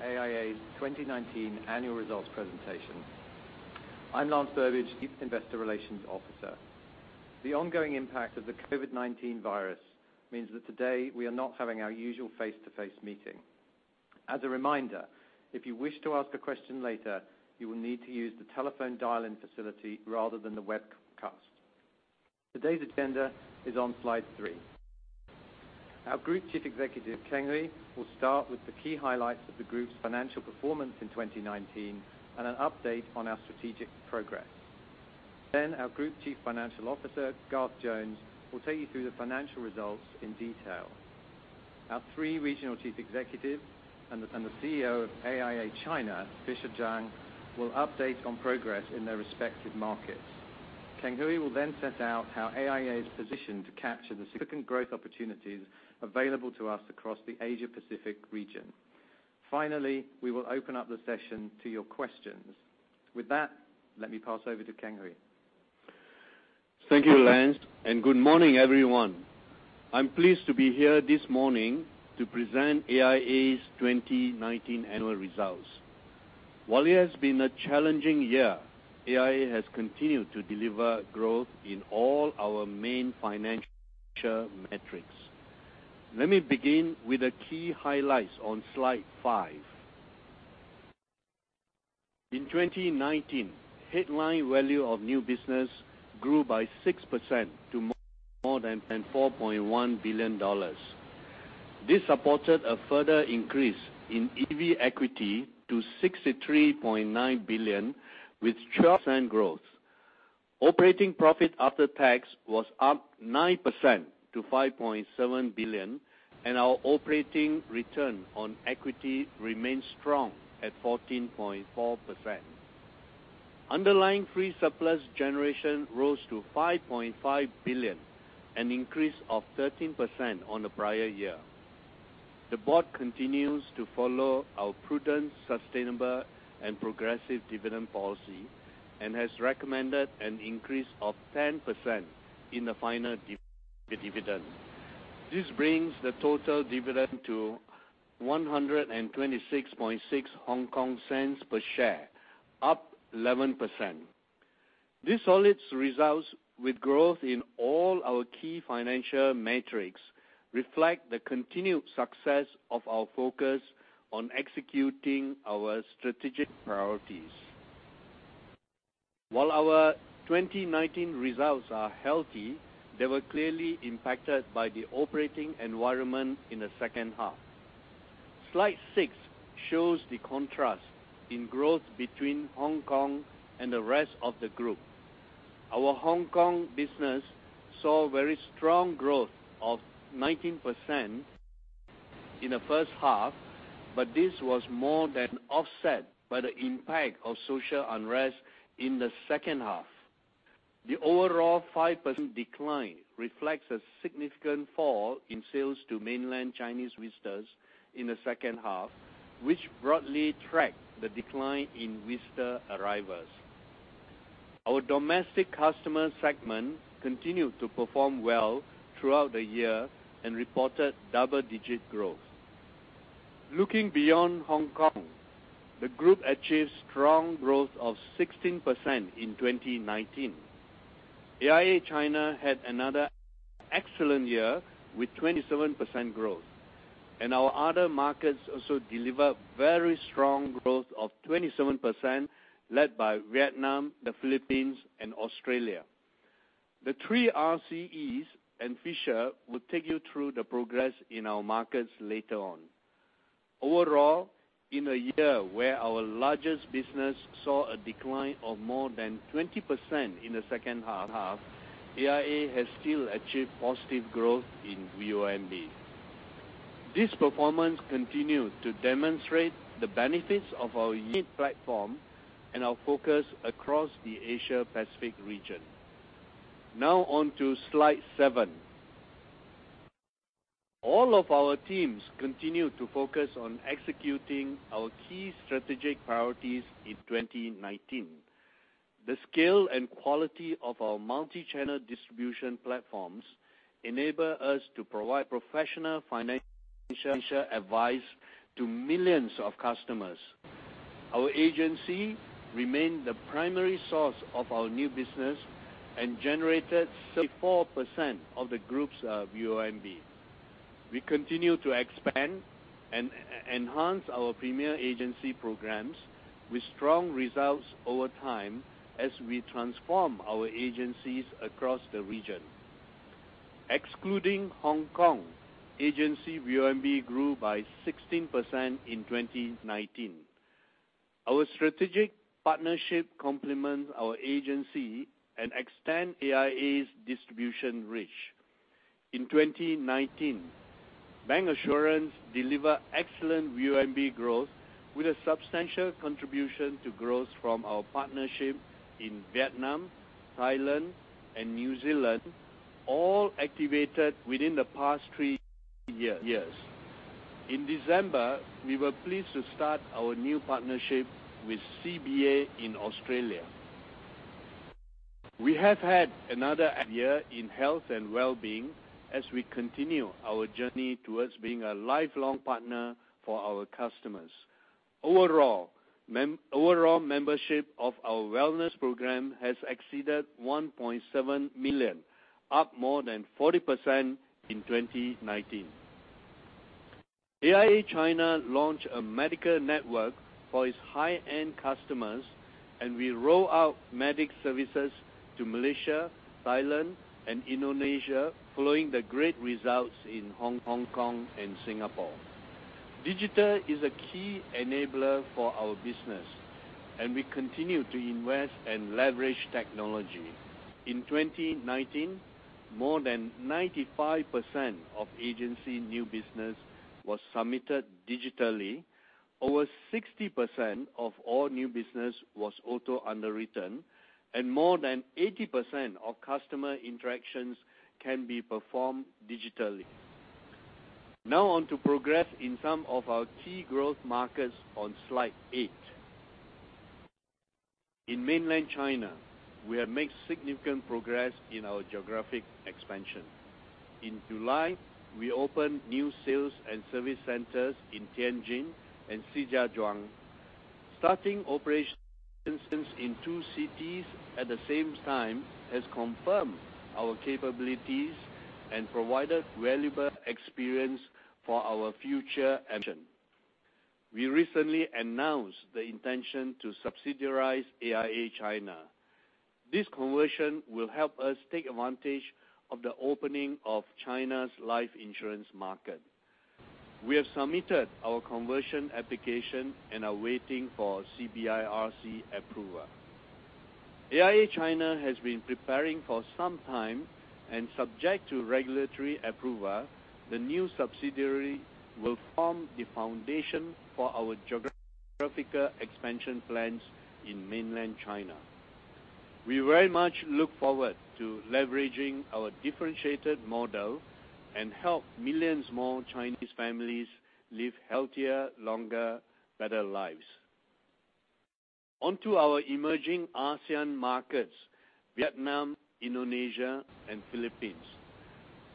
Welcome to AIA's 2019 Annual Results Presentation. I'm Lance Burbidge, Chief Investor Relations Officer. The ongoing impact of the COVID-19 virus means that today we are not having our usual face-to-face meeting. As a reminder, if you wish to ask a question later, you will need to use the telephone dial-in facility rather than the webcast. Today's agenda is on slide three. Our Group Chief Executive, Keng Hooi, will start with the key highlights of the Group's financial performance in 2019 and an update on our strategic progress. Then our Group Chief Financial Officer, Garth Jones, will take you through the financial results in detail. Our three Regional Chief Executives and the CEO of AIA China, Fisher Zhang, will update on progress in their respective markets. Keng Hooi will then set out how AIA is positioned to capture the significant growth opportunities available to us across the Asia-Pacific region. Finally, we will open up the session to your questions. With that, let me pass over to Ng Keng Hooi. Thank you, Lance, and good morning, everyone. I'm pleased to be here this morning to present AIA's 2019 annual results. While it has been a challenging year, AIA has continued to deliver growth in all our main financial metrics. Let me begin with the key highlights on slide five. In 2019, headline value of new business grew by 6% to more than $4.1 billion. This supported a further increase in EV equity to $63.9 billion with 12% growth. Operating profit after tax was up 9% to $5.7 billion. Our operating return on equity remains strong at 14.4%. Underlying free surplus generation rose to $5.5 billion, an increase of 13% on the prior year. The Board continues to follow our prudent, sustainable, and progressive dividend policy and has recommended an increase of 10% in the final dividend. This brings the total dividend to 1.266 per share, up 11%. These solid results with growth in all our key financial metrics reflect the continued success of our focus on executing our strategic priorities. While our 2019 results are healthy, they were clearly impacted by the operating environment in the second half. Slide six shows the contrast in growth between Hong Kong and the rest of the Group. Our Hong Kong business saw very strong growth of 19% in the first half, but this was more than offset by the impact of social unrest in the second half. The overall 5% decline reflects a significant fall in sales to mainland Chinese visitors in the second half, which broadly tracked the decline in visitor arrivals. Our domestic customer segment continued to perform well throughout the year and reported double-digit growth. Looking beyond Hong Kong, the Group achieved strong growth of 16% in 2019. AIA China had another excellent year with 27% growth. Our Other Markets also delivered very strong growth of 27%, led by Vietnam, the Philippines, and Australia. The three RCEs and Fisher will take you through the progress in our markets later on. Overall, in a year where our largest business saw a decline of more than 20% in the second half, AIA has still achieved positive growth in VONB. This performance continued to demonstrate the benefits of our unique platform and our focus across the Asia-Pacific region. On to slide seven. All of our teams continued to focus on executing our key strategic priorities in 2019. The scale and quality of our multi-channel distribution platforms enable us to provide professional financial advice to millions of customers. Our agency remained the primary source of our new business and generated 74% of the Group's VONB. We continue to expand and enhance our Premier Agency programs with strong results over time as we transform our agencies across the region. Excluding Hong Kong, agency VONB grew by 16% in 2019. Our strategic partnership complements our agency and extends AIA's distribution reach. In 2019, bancassurance delivered excellent VONB growth with a substantial contribution to growth from our partnership in Vietnam, Thailand, and New Zealand, all activated within the past three years. In December, we were pleased to start our new partnership with CBA in Australia. We have had another year in Health and Well-being as we continue our journey towards being a lifelong partner for our customers. Overall membership of our wellness program has exceeded 1.7 million, up more than 40% in 2019. AIA China launched a medical network for its high-end customers. We roll out Medix services to Malaysia, Thailand, and Indonesia, following the great results in Hong Kong and Singapore. Digital is a key enabler for our business. We continue to invest and leverage technology. In 2019, more than 95% of agency new business was submitted digitally. Over 60% of all new business was auto-underwritten. More than 80% of customer interactions can be performed digitally. Now on to progress in some of our key growth markets on slide eight. In Mainland China, we have made significant progress in our geographic expansion. In July, we opened new sales and service centers in Tianjin and Shijiazhuang. Starting operations in two cities at the same time has confirmed our capabilities and provided valuable experience for our future ambition. We recently announced the intention to subsidiarize AIA China. This conversion will help us take advantage of the opening of China's life insurance market. We have submitted our conversion application and are waiting for CBIRC approval. AIA China has been preparing for some time, and subject to regulatory approval, the new subsidiary will form the foundation for our geographical expansion plans in Mainland China. We very much look forward to leveraging our differentiated model and help millions more Chinese families live healthier, longer, better lives. On to our emerging ASEAN markets, Vietnam, Indonesia, and Philippines.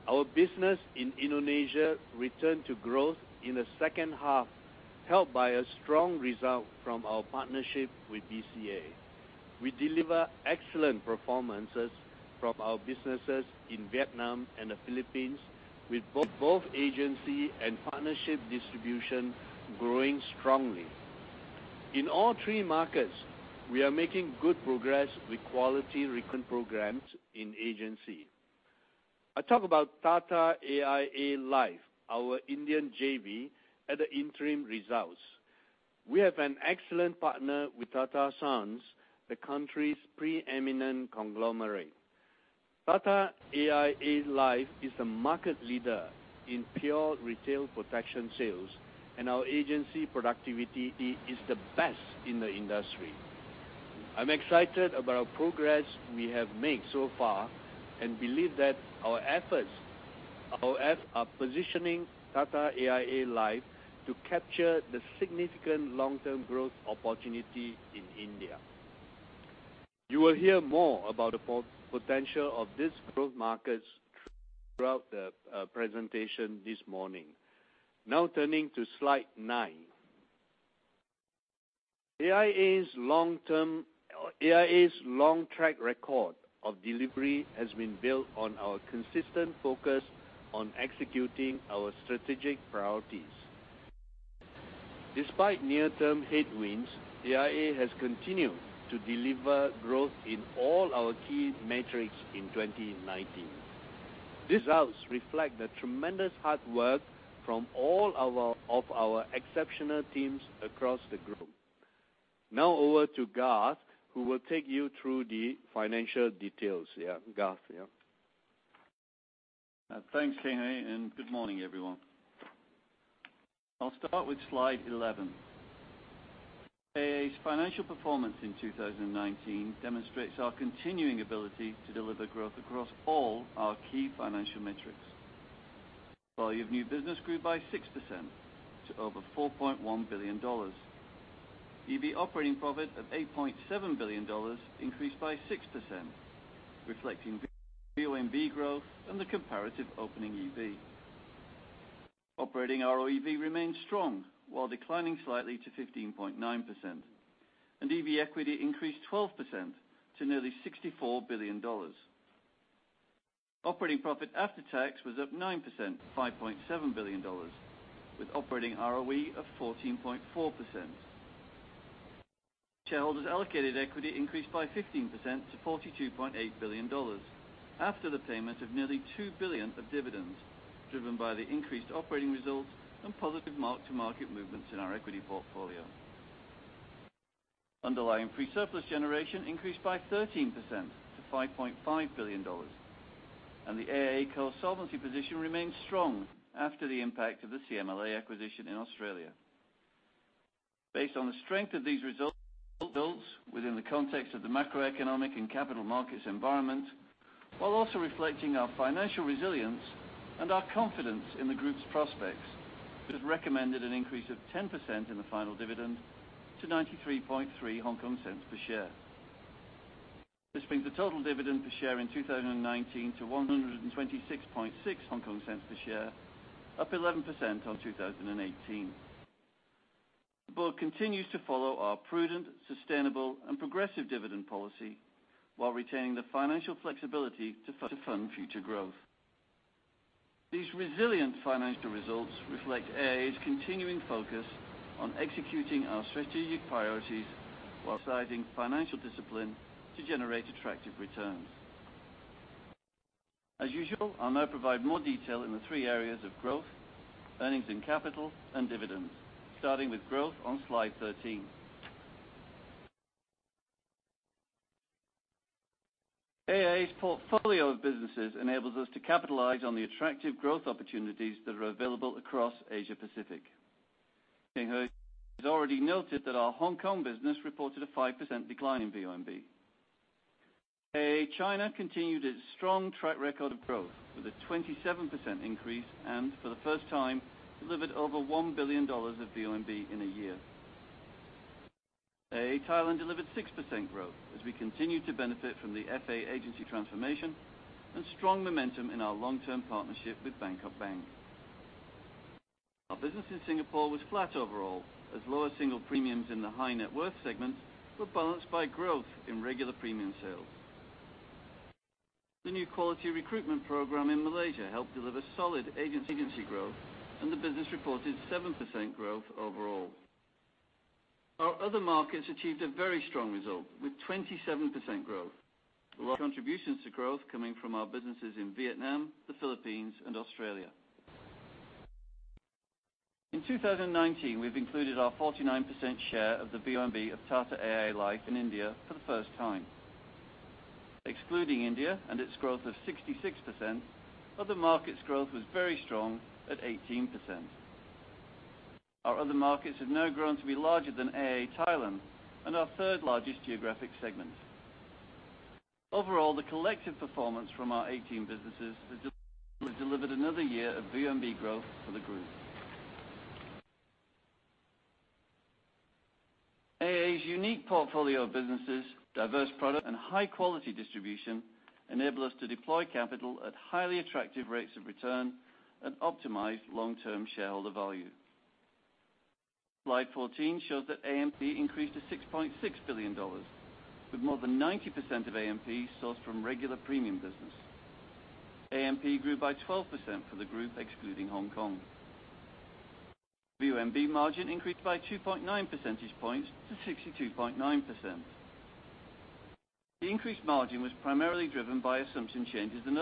Our business in Indonesia returned to growth in the second half, helped by a strong result from our partnership with BCA. We deliver excellent performances from our businesses in Vietnam and the Philippines, with both agency and partnership distribution growing strongly. In all three markets, we are making good progress with quality recruitment programs in agency. I talk about Tata AIA Life, our Indian JV, at the interim results. We have an excellent partner with Tata Sons, the country's preeminent conglomerate. Tata AIA Life is the market leader in pure retail protection sales, and our agency productivity is the best in the industry. I'm excited about progress we have made so far, and believe that our efforts are positioning Tata AIA Life to capture the significant long-term growth opportunity in India. You will hear more about the potential of these growth markets throughout the presentation this morning. Turning to slide nine. AIA's long track record of delivery has been built on our consistent focus on executing our strategic priorities. Despite near-term headwinds, AIA has continued to deliver growth in all our key metrics in 2019. These results reflect the tremendous hard work from all of our exceptional teams across the Group. Now over to Garth, who will take you through the financial details. Yeah, Garth. Yeah. Thanks, Keng Hooi, and good morning, everyone. I'll start with slide 11. AIA's financial performance in 2019 demonstrates our continuing ability to deliver growth across all our key financial metrics. Volume of new business grew by 6% to over $4.1 billion. EV operating profit of $8.7 billion increased by 6%, reflecting VONB growth and the comparative opening EV. Operating ROEV remained strong, while declining slightly to 15.9%. EV equity increased 12% to nearly $64 billion. Operating profit after tax was up 9%, $5.7 billion, with operating ROE of 14.4%. Shareholders' allocated equity increased by 15% to $42.8 billion after the payment of nearly $2 billion of dividends, driven by the increased operating results and positive mark-to-market movements in our equity portfolio. Underlying free surplus generation increased by 13% to $5.5 billion. The AIA Co. solvency position remains strong after the impact of the CMLA acquisition in Australia. Based on the strength of these results within the context of the macroeconomic and capital markets environment. Also reflecting our financial resilience and our confidence in the Group's prospects, we have recommended an increase of 10% in the final dividend to 0.933 per share. This brings the total dividend per share in 2019 to 1.266 per share, up 11% on 2018. The Board continues to follow our prudent, sustainable and progressive dividend policy while retaining the financial flexibility to fund future growth. These resilient financial results reflect AIA's continuing focus on executing our strategic priorities while exercising financial discipline to generate attractive returns. As usual, I'll now provide more detail in the three areas of growth, earnings and capital, and dividends, starting with growth on slide 13. AIA's portfolio of businesses enables us to capitalize on the attractive growth opportunities that are available across Asia-Pacific. Keng Hooi has already noted that our Hong Kong business reported a 5% decline in VONB. AIA China continued its strong track record of growth with a 27% increase, and for the first time delivered over $1 billion of VONB in a year. AIA Thailand delivered 6% growth as we continued to benefit from the FA agency transformation and strong momentum in our long-term partnership with Bangkok Bank. Our business in Singapore was flat overall, as lower single premiums in the high net worth segments were balanced by growth in regular premium sales. The new quality recruitment program in Malaysia helped deliver solid agency growth, and the business reported 7% growth overall. Our Other Markets achieved a very strong result, with 27% growth, with contributions to growth coming from our businesses in Vietnam, the Philippines, and Australia. In 2019, we've included our 49% share of the VONB of Tata AIA Life in India for the first time. Excluding India and its growth of 66%, Other Markets growth was very strong at 18%. Our Other Markets have now grown to be larger than AIA Thailand and our third largest geographic segment. Overall, the collective performance from our 18 businesses has delivered another year of VONB growth for the Group. AIA's unique portfolio of businesses, diverse product, and high-quality distribution enable us to deploy capital at highly attractive rates of return and optimize long-term shareholder value. Slide 14 shows that ANP increased to $6.6 billion, with more than 90% of ANP sourced from regular premium business. ANP grew by 12% for the Group excluding Hong Kong. VONB margin increased by 2.9 percentage points to 62.9%. The increased margin was primarily driven by assumption changes and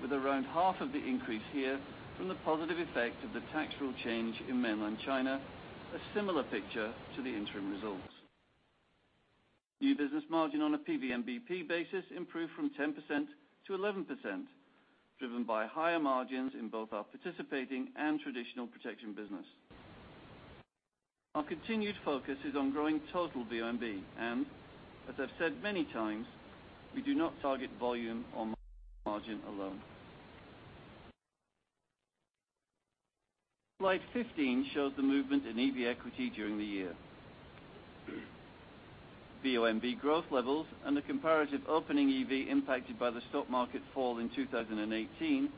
with around half of the increase here from the positive effect of the tax rule change in Mainland China, a similar picture to the interim results. New business margin on a PVNBP basis improved from 10% to 11%, driven by higher margins in both our participating and traditional protection business. Our continued focus is on growing total VONB, and as I've said many times, we do not target volume or margin alone. Slide 15 shows the movement in EV equity during the year. VONB growth levels and the comparative opening EV impacted by the stock market fall in 2018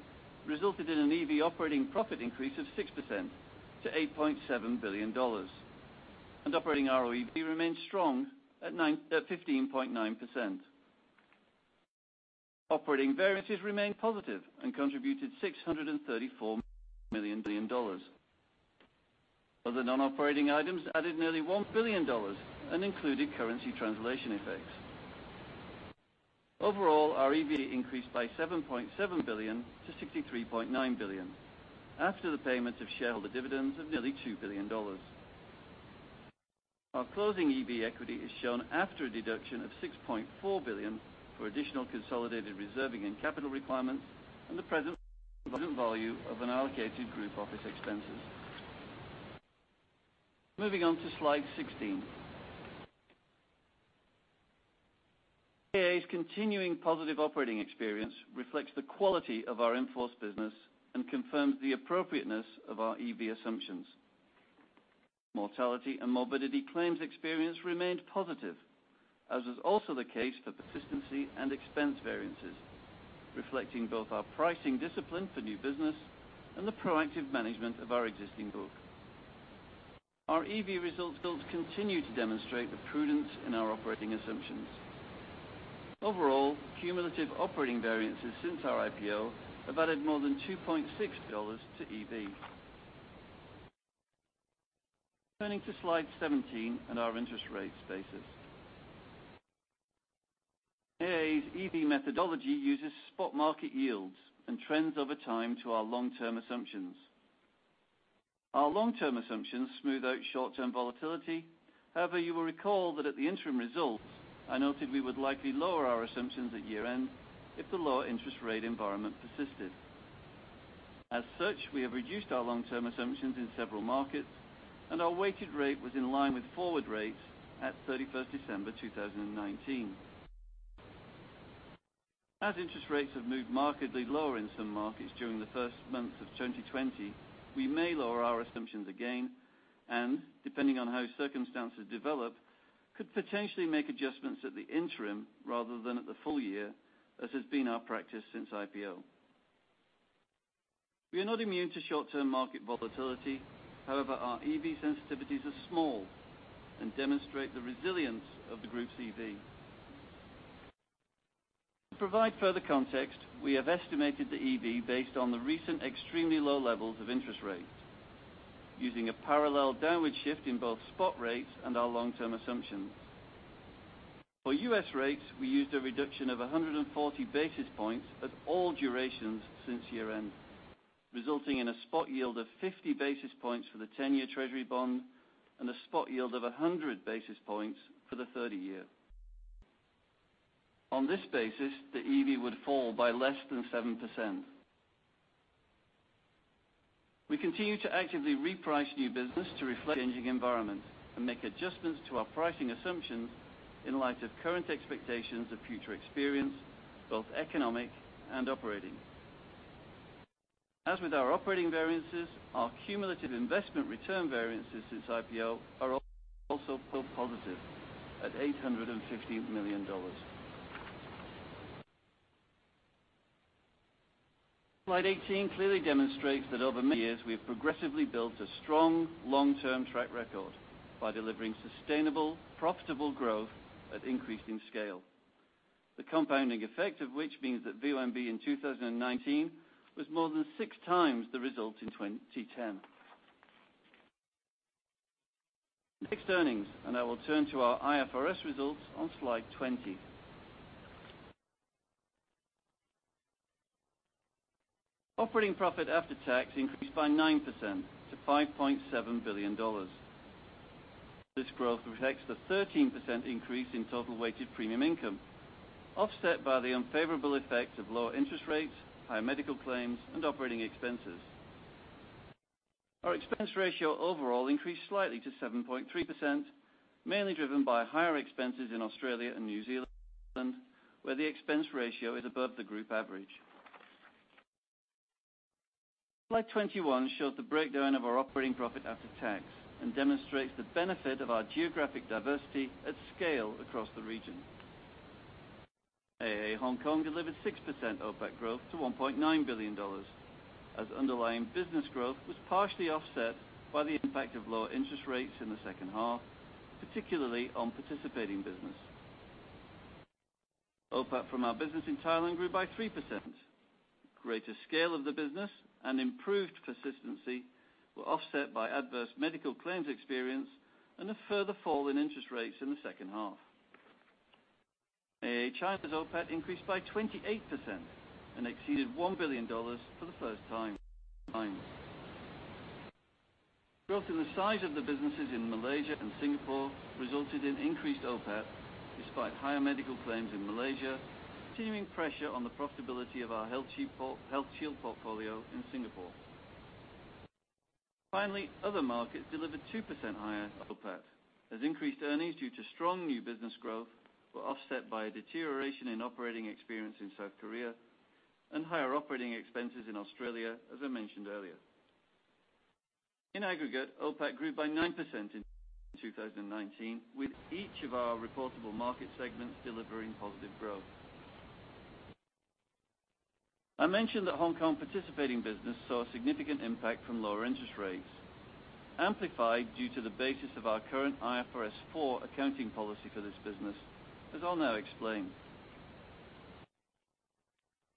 resulted in an EV operating profit increase of 6% to $8.7 billion. Operating ROEV remained strong at 15.9%. Operating variances remained positive and contributed $634 million. Other non-operating items added nearly $1 billion and included currency translation effects. Overall, our EV increased by $7.7 billion to $63.9 billion after the payment of shareholder dividends of nearly $2 billion. Our closing EV equity is shown after a deduction of $6.4 billion for additional consolidated reserving and capital requirements and the present value of unallocated Group office expenses. Moving on to slide 16. AIA's continuing positive operating experience reflects the quality of our in-force business and confirms the appropriateness of our EV assumptions. Mortality and morbidity claims experience remained positive, as was also the case for persistency and expense variances, reflecting both our pricing discipline for new business and the proactive management of our existing book. Our EV results continue to demonstrate the prudence in our operating assumptions. Overall, cumulative operating variances since our IPO have added more than $2.6 billion to EV. Turning to slide 17 and our interest rate basis. AIA's EV methodology uses spot market yields and trends over time to our long-term assumptions. Our long-term assumptions smooth out short-term volatility. However, you will recall that at the interim results, I noted we would likely lower our assumptions at year end if the lower interest rate environment persisted. As such, we have reduced our long-term assumptions in several markets, and our weighted rate was in line with forward rates at 31st December 2019. As interest rates have moved markedly lower in some markets during the first months of 2020, we may lower our assumptions again, and depending on how circumstances develop, could potentially make adjustments at the interim rather than at the full year, as has been our practice since IPO. We are not immune to short-term market volatility. However, our EV sensitivities are small and demonstrate the resilience of the Group's EV. To provide further context, we have estimated the EV based on the recent extremely low levels of interest rates, using a parallel downward shift in both spot rates and our long-term assumptions. For U.S. rates, we used a reduction of 140 basis points at all durations since year-end, resulting in a spot yield of 50 basis points for the 10-year treasury bond and a spot yield of 100 basis points for the 30-year. On this basis, the EV would fall by less than 7%. We continue to actively reprice new business to reflect changing environments and make adjustments to our pricing assumptions in light of current expectations of future experience, both economic and operating. As with our operating variances, our cumulative investment return variances since IPO are also positive at $850 million. Slide 18 clearly demonstrates that over many years, we have progressively built a strong long-term track record by delivering sustainable, profitable growth at increasing scale. The compounding effect of which means that VONB in 2019 was more than 6x the result in 2010. Next, earnings, I will turn to our IFRS results on slide 20. Operating profit after tax increased by 9% to $5.7 billion. This growth reflects the 13% increase in total weighted premium income, offset by the unfavorable effect of lower interest rates, higher medical claims, and operating expenses. Our expense ratio overall increased slightly to 7.3%, mainly driven by higher expenses in Australia and New Zealand, where the expense ratio is above the Group average. Slide 21 shows the breakdown of our operating profit after tax and demonstrates the benefit of our geographic diversity at scale across the region. AIA Hong Kong delivered 6% OPAT growth to $1.9 billion, as underlying business growth was partially offset by the impact of lower interest rates in the second half, particularly on participating business. OPAT from our business in Thailand grew by 3%. Greater scale of the business and improved persistency were offset by adverse medical claims experience and a further fall in interest rates in the second half. AIA China's OPAT increased by 28% and exceeded $1 billion for the first time. Growth in the size of the businesses in Malaysia and Singapore resulted in increased OPAT, despite higher medical claims in Malaysia, continuing pressure on the profitability of our HealthShield portfolio in Singapore. Finally, Other Markets delivered 2% higher OPAT, as increased earnings due to strong new business growth were offset by a deterioration in operating experience in South Korea and higher operating expenses in Australia, as I mentioned earlier. In aggregate, OPAT grew by 9% in 2019, with each of our reportable market segments delivering positive growth. I mentioned that Hong Kong participating business saw a significant impact from lower interest rates, amplified due to the basis of our current IFRS 4 accounting policy for this business, as I'll now explain.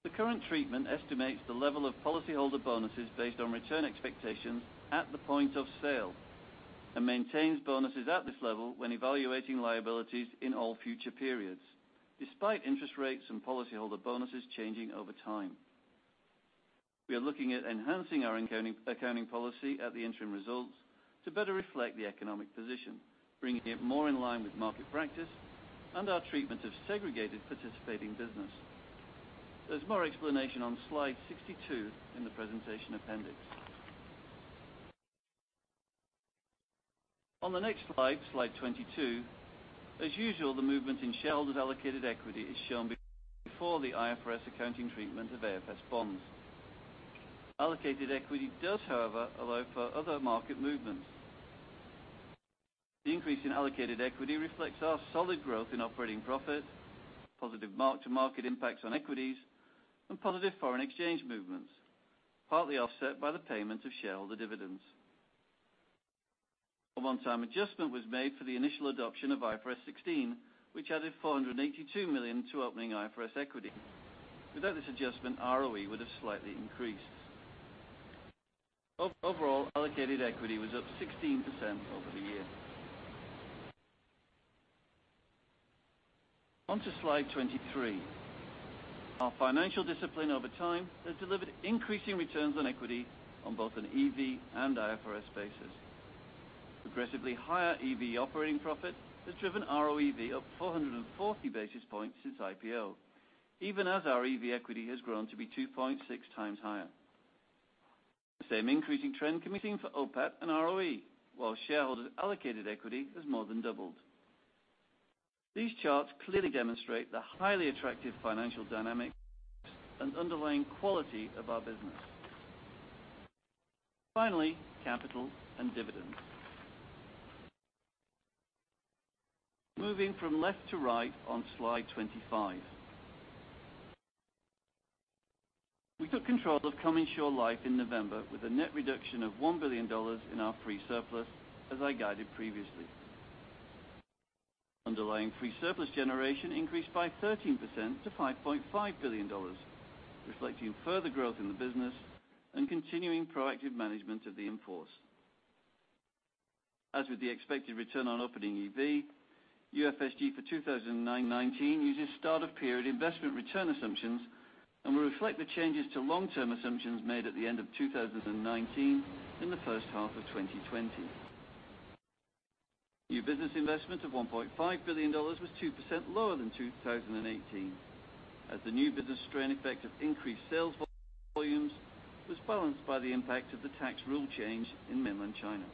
The current treatment estimates the level of policyholder bonuses based on return expectations at the point of sale and maintains bonuses at this level when evaluating liabilities in all future periods, despite interest rates and policyholder bonuses changing over time. We are looking at enhancing our accounting policy at the interim results to better reflect the economic position, bringing it more in line with market practice and our treatment of segregated participating business. There's more explanation on slide 62 in the presentation appendix. On the next slide 22, as usual, the movement in shareholder allocated equity is shown before the IFRS accounting treatment of AFS bonds. Allocated equity does, however, allow for Other Markets movements. The increase in allocated equity reflects our solid growth in operating profit, positive mark-to-market impacts on equities, and positive foreign exchange movements, partly offset by the payment of shareholder dividends. A one-time adjustment was made for the initial adoption of IFRS 16, which added $482 million to opening IFRS equity. Without this adjustment, ROE would have slightly increased. Overall, allocated equity was up 16% over the year. On to slide 23. Our financial discipline over time has delivered increasing returns on equity on both an EV and IFRS basis. Progressively higher EV operating profit has driven ROEV up 440 basis points since IPO, even as our EV equity has grown to be 2.6x higher. The same increasing trend can be seen for OPAT and ROE, while shareholders allocated equity has more than doubled. These charts clearly demonstrate the highly attractive financial dynamics and underlying quality of our business. Finally, capital and dividends. Moving from left to right on slide 25. We took control of CommInsure Life in November with a net reduction of $1 billion in our free surplus, as I guided previously. Underlying free surplus generation increased by 13% to $5.5 billion, reflecting further growth in the business and continuing proactive management of the in-force. As with the expected return on opening EV, UFSG for 2019 uses start of period investment return assumptions and will reflect the changes to long-term assumptions made at the end of 2019 in the first half of 2020. New business investment of $1.5 billion was 2% lower than 2018 as the new business strain effect of increased sales volumes was balanced by the impact of the tax rule change in Mainland China.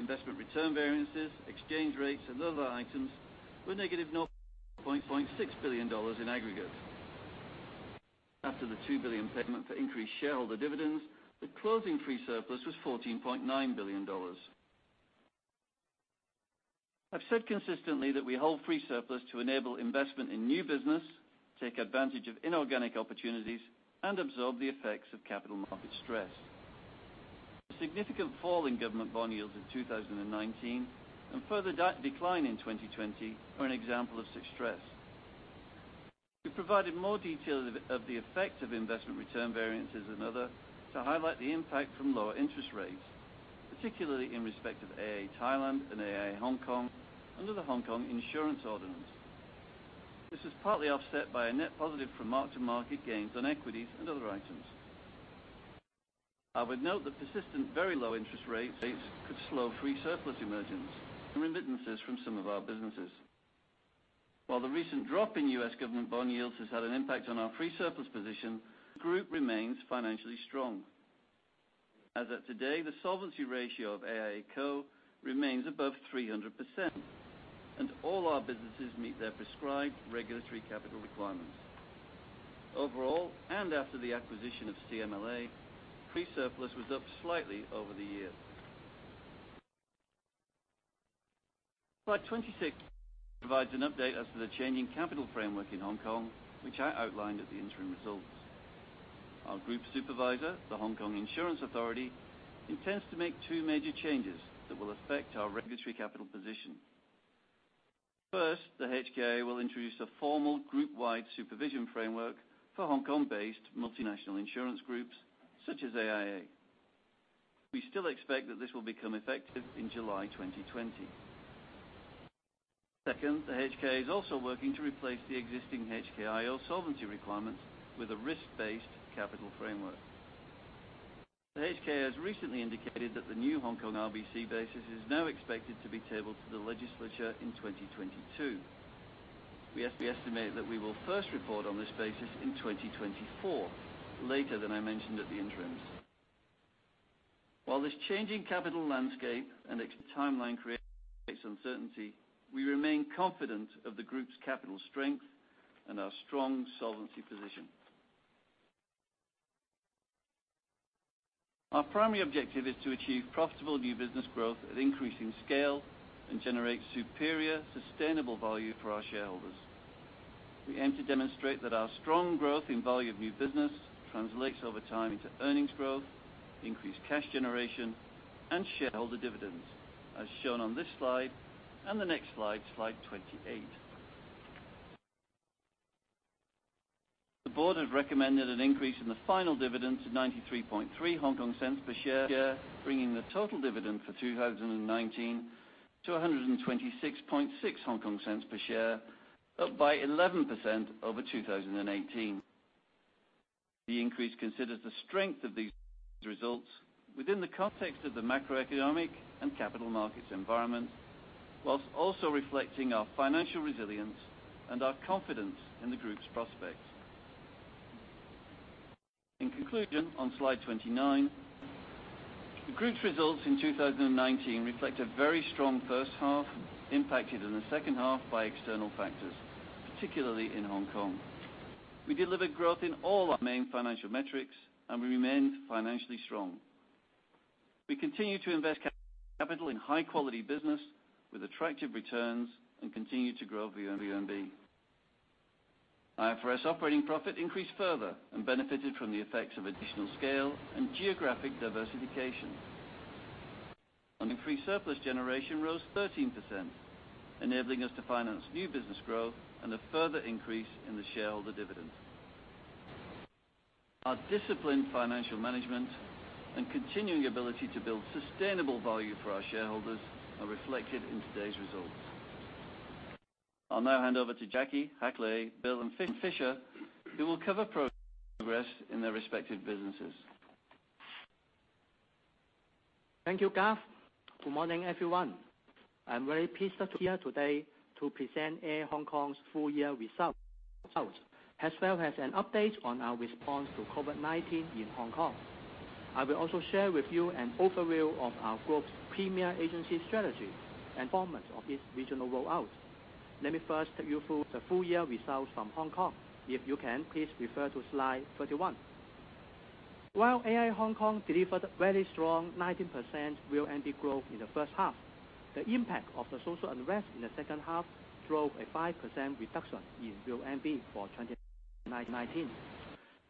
Investment return variances, exchange rates and other items were -$0.6 billion in aggregate. After the $2 billion payment for increased shareholder dividends, the closing free surplus was $14.9 billion. I've said consistently that we hold free surplus to enable investment in new business, take advantage of inorganic opportunities, and absorb the effects of capital market stress. The significant fall in government bond yields in 2019 and further decline in 2020 are an example of such stress. We provided more details of the effect of investment return variances and other to highlight the impact from lower interest rates, particularly in respect of AIA Thailand and AIA Hong Kong under the Hong Kong Insurance Ordinance. This was partly offset by a net positive from mark-to-market gains on equities and other items. I would note that persistent very low interest rates could slow free surplus emergence and remittances from some of our businesses. While the recent drop in U.S. government bond yields has had an impact on our free surplus position, the Group remains financially strong. As at today, the solvency ratio of AIA Co. remains above 300%, and all our businesses meet their prescribed regulatory capital requirements. Overall, and after the acquisition of CMLA, free surplus was up slightly over the year. Slide 26 provides an update as to the changing capital framework in Hong Kong, which I outlined at the interim results. Our Group supervisor, the Hong Kong Insurance Authority, intends to make two major changes that will affect our regulatory capital position. First, the HKIA will introduce a formal group-wide supervision framework for Hong Kong-based multinational insurance groups such as AIA. We still expect that this will become effective in July 2020. Second, the HKIA is also working to replace the existing HKIO solvency requirements with a risk-based capital framework. The HKIA has recently indicated that the new Hong Kong RBC basis is now expected to be tabled to the legislature in 2022. We estimate that we will first report on this basis in 2024, later than I mentioned at the interims. While this changing capital landscape and its timeline creates uncertainty, we remain confident of the Group's capital strength and our strong solvency position. Our primary objective is to achieve profitable new business growth at increasing scale and generate superior, sustainable value for our shareholders. We aim to demonstrate that our strong growth in value of new business translates over time into earnings growth, increased cash generation and shareholder dividends, as shown on this slide and the next slide 28. The Board has recommended an increase in the final dividend to 0.933 per share, bringing the total dividend for 2019 to 1.266 per share, up by 11% over 2018. The increase considers the strength of these results within the context of the macroeconomic and capital markets environment, whilst also reflecting our financial resilience and our confidence in the Group's prospects. In conclusion, on slide 29, the Group's results in 2019 reflect a very strong first half, impacted in the second half by external factors, particularly in Hong Kong. We delivered growth in all our main financial metrics and we remain financially strong. We continue to invest capital in high quality business with attractive returns and continue to grow VONB. IFRS operating profit increased further and benefited from the effects of additional scale and geographic diversification. Free surplus generation rose 13%, enabling us to finance new business growth and a further increase in the shareholder dividend. Our disciplined financial management and continuing ability to build sustainable value for our shareholders are reflected in today's results. I'll now hand over to Jacky, Hak Leh, Bill, and Fisher, who will cover progress in their respective businesses. Thank you, Garth. Good morning, everyone. I'm very pleased to be here today to present AIA Hong Kong's full year results, as well as an update on our response to COVID-19 in Hong Kong. I will also share with you an overview of our Group's Premier Agency strategy and format of its regional rollout. Let me first take you through the full year results from Hong Kong. If you can, please refer to slide 31. While AIA Hong Kong delivered very strong 19% VONB growth in the first half, the impact of the social unrest in the second half drove a 5% reduction in VONB for 2019.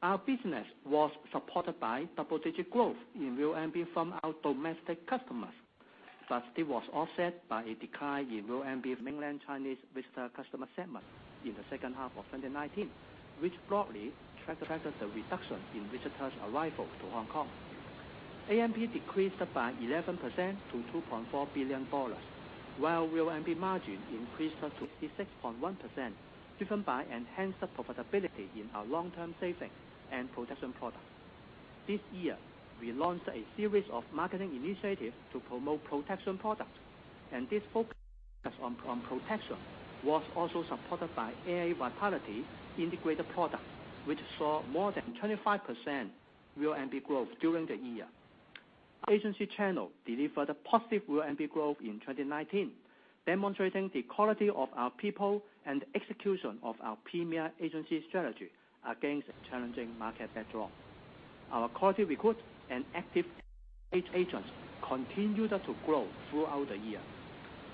Our business was supported by double-digit growth in VONB from our domestic customers. This was offset by a decline in VONB mainland Chinese visitor customer segment in the second half of 2019, which broadly tracked the reduction in visitors' arrival to Hong Kong. ANP decreased by 11% to $2.4 billion, while VONB margin increased to 66.1%, driven by enhanced profitability in our long-term savings and protection products. This year, we launched a series of marketing initiatives to promote protection products. This focus on protection was also supported by AIA Vitality integrated products, which saw more than 25% VONB growth during the year. Agency channel delivered positive VONB growth in 2019, demonstrating the quality of our people and execution of our Premier Agency strategy against challenging market backdrop. Our quality recruit and active agents continued to grow throughout the year.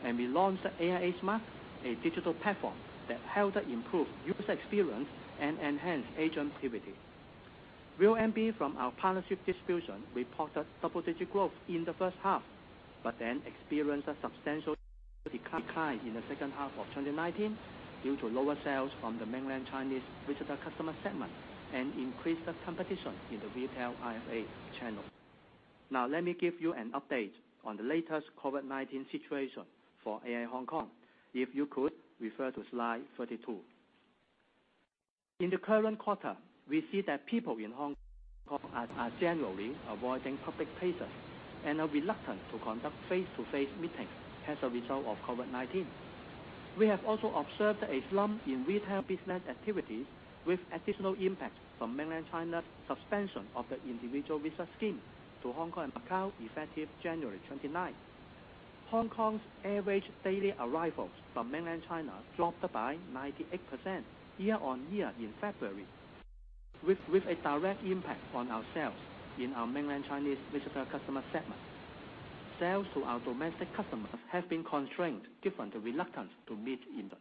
We launched AIA Smart, a digital platform that helped improve user experience and enhance agent activity. VONB from our partnership distribution reported double-digit growth in the first half, experienced a substantial decline in the second half of 2019, due to lower sales from the mainland Chinese visitor customer segment and increased competition in the retail IFA channel. Let me give you an update on the latest COVID-19 situation for AIA Hong Kong. If you could refer to slide 32. In the current quarter, we see that people in Hong Kong are generally avoiding public places and are reluctant to conduct face-to-face meetings as a result of COVID-19. We have also observed a slump in retail business activity, with additional impact from Mainland China's suspension of the Individual Visit Scheme to Hong Kong and Macau, effective January 29th. Hong Kong's average daily arrivals from Mainland China dropped by 98% year-on-year in February, with a direct impact on our sales in our mainland Chinese visitor customer segment. Sales to our domestic customers have been constrained given the reluctance to meet in person.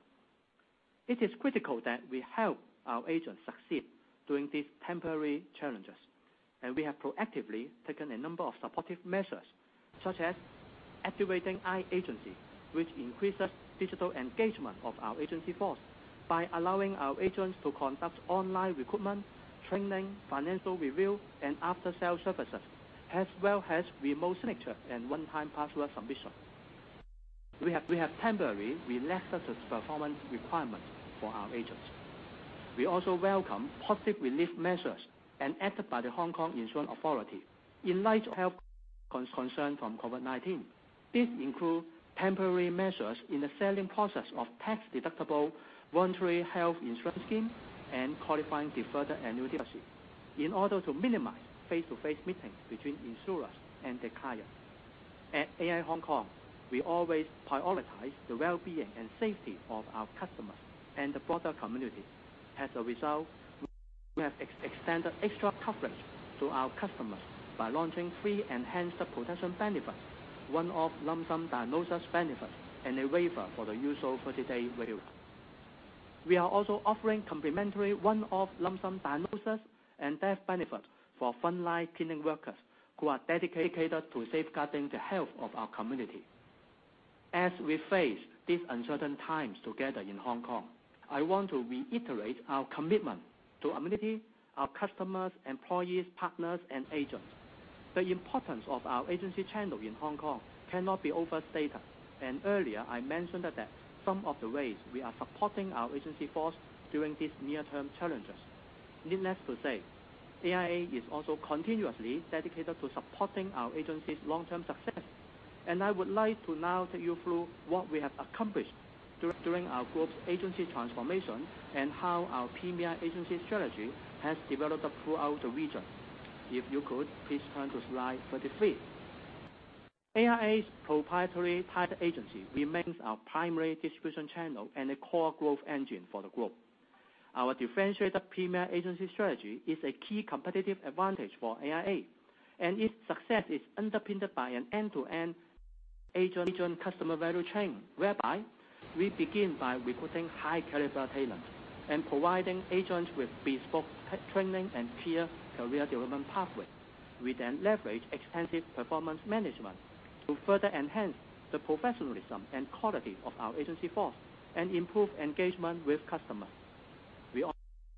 It is critical that we help our agents succeed during these temporary challenges. We have proactively taken a number of supportive measures, such as activating iAgency, which increases digital engagement of our agency force by allowing our agents to conduct online recruitment, training, financial review, and after-sales services, as well as remote signature and one-time password submission. We have temporarily relaxed the performance requirement for our agents. We also welcome positive relief measures enacted by the Hong Kong Insurance Authority in light of health concerns from COVID-19. These include temporary measures in the selling process of tax-deductible Voluntary Health Insurance Scheme and Qualifying Deferred Annuity Policy in order to minimize face-to-face meetings between insurers and their clients. At AIA Hong Kong, we always prioritize the well-being and safety of our customers and the broader community. As a result, we have extended extra coverage to our customers by launching free enhanced protection benefits, one-off lump sum diagnosis benefits, and a waiver for the usual 30-day waiting period. We are also offering complimentary one-off lump sum diagnosis and death benefits for frontline cleaning workers who are dedicated to safeguarding the health of our community. As we face these uncertain times together in Hong Kong, I want to reiterate our commitment to community, our customers, employees, partners, and agents. The importance of our agency channel in Hong Kong cannot be overstated, and earlier I mentioned that some of the ways we are supporting our agency force during these near-term challenges. Needless to say, AIA is also continuously dedicated to supporting our agency's long-term success, and I would like to now take you through what we have accomplished during our Group's agency transformation and how our Premier Agency strategy has developed throughout the region. If you could, please turn to slide 33. AIA's proprietary tied agency remains our primary distribution channel and a core growth engine for the Group. Our differentiated Premier Agency strategy is a key competitive advantage for AIA, and its success is underpinned by an end-to-end agent customer value chain, whereby we begin by recruiting high-caliber talent and providing agents with bespoke training and clear career development pathway. We then leverage extensive performance management to further enhance the professionalism and quality of our agency force and improve engagement with customers. We are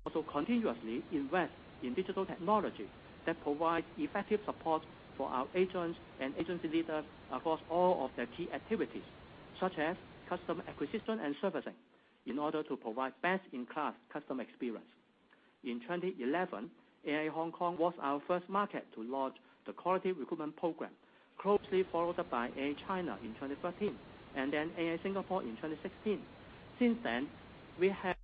also continuously invest in digital technology that provides effective support for our agents and agency leaders across all of their key activities, such as customer acquisition and servicing, in order to provide best-in-class customer experience. In 2011, AIA Hong Kong was our first market to launch the Quality Recruitment Program, closely followed up by AIA China in 2013, and then AIA Singapore in 2016. Since then, we have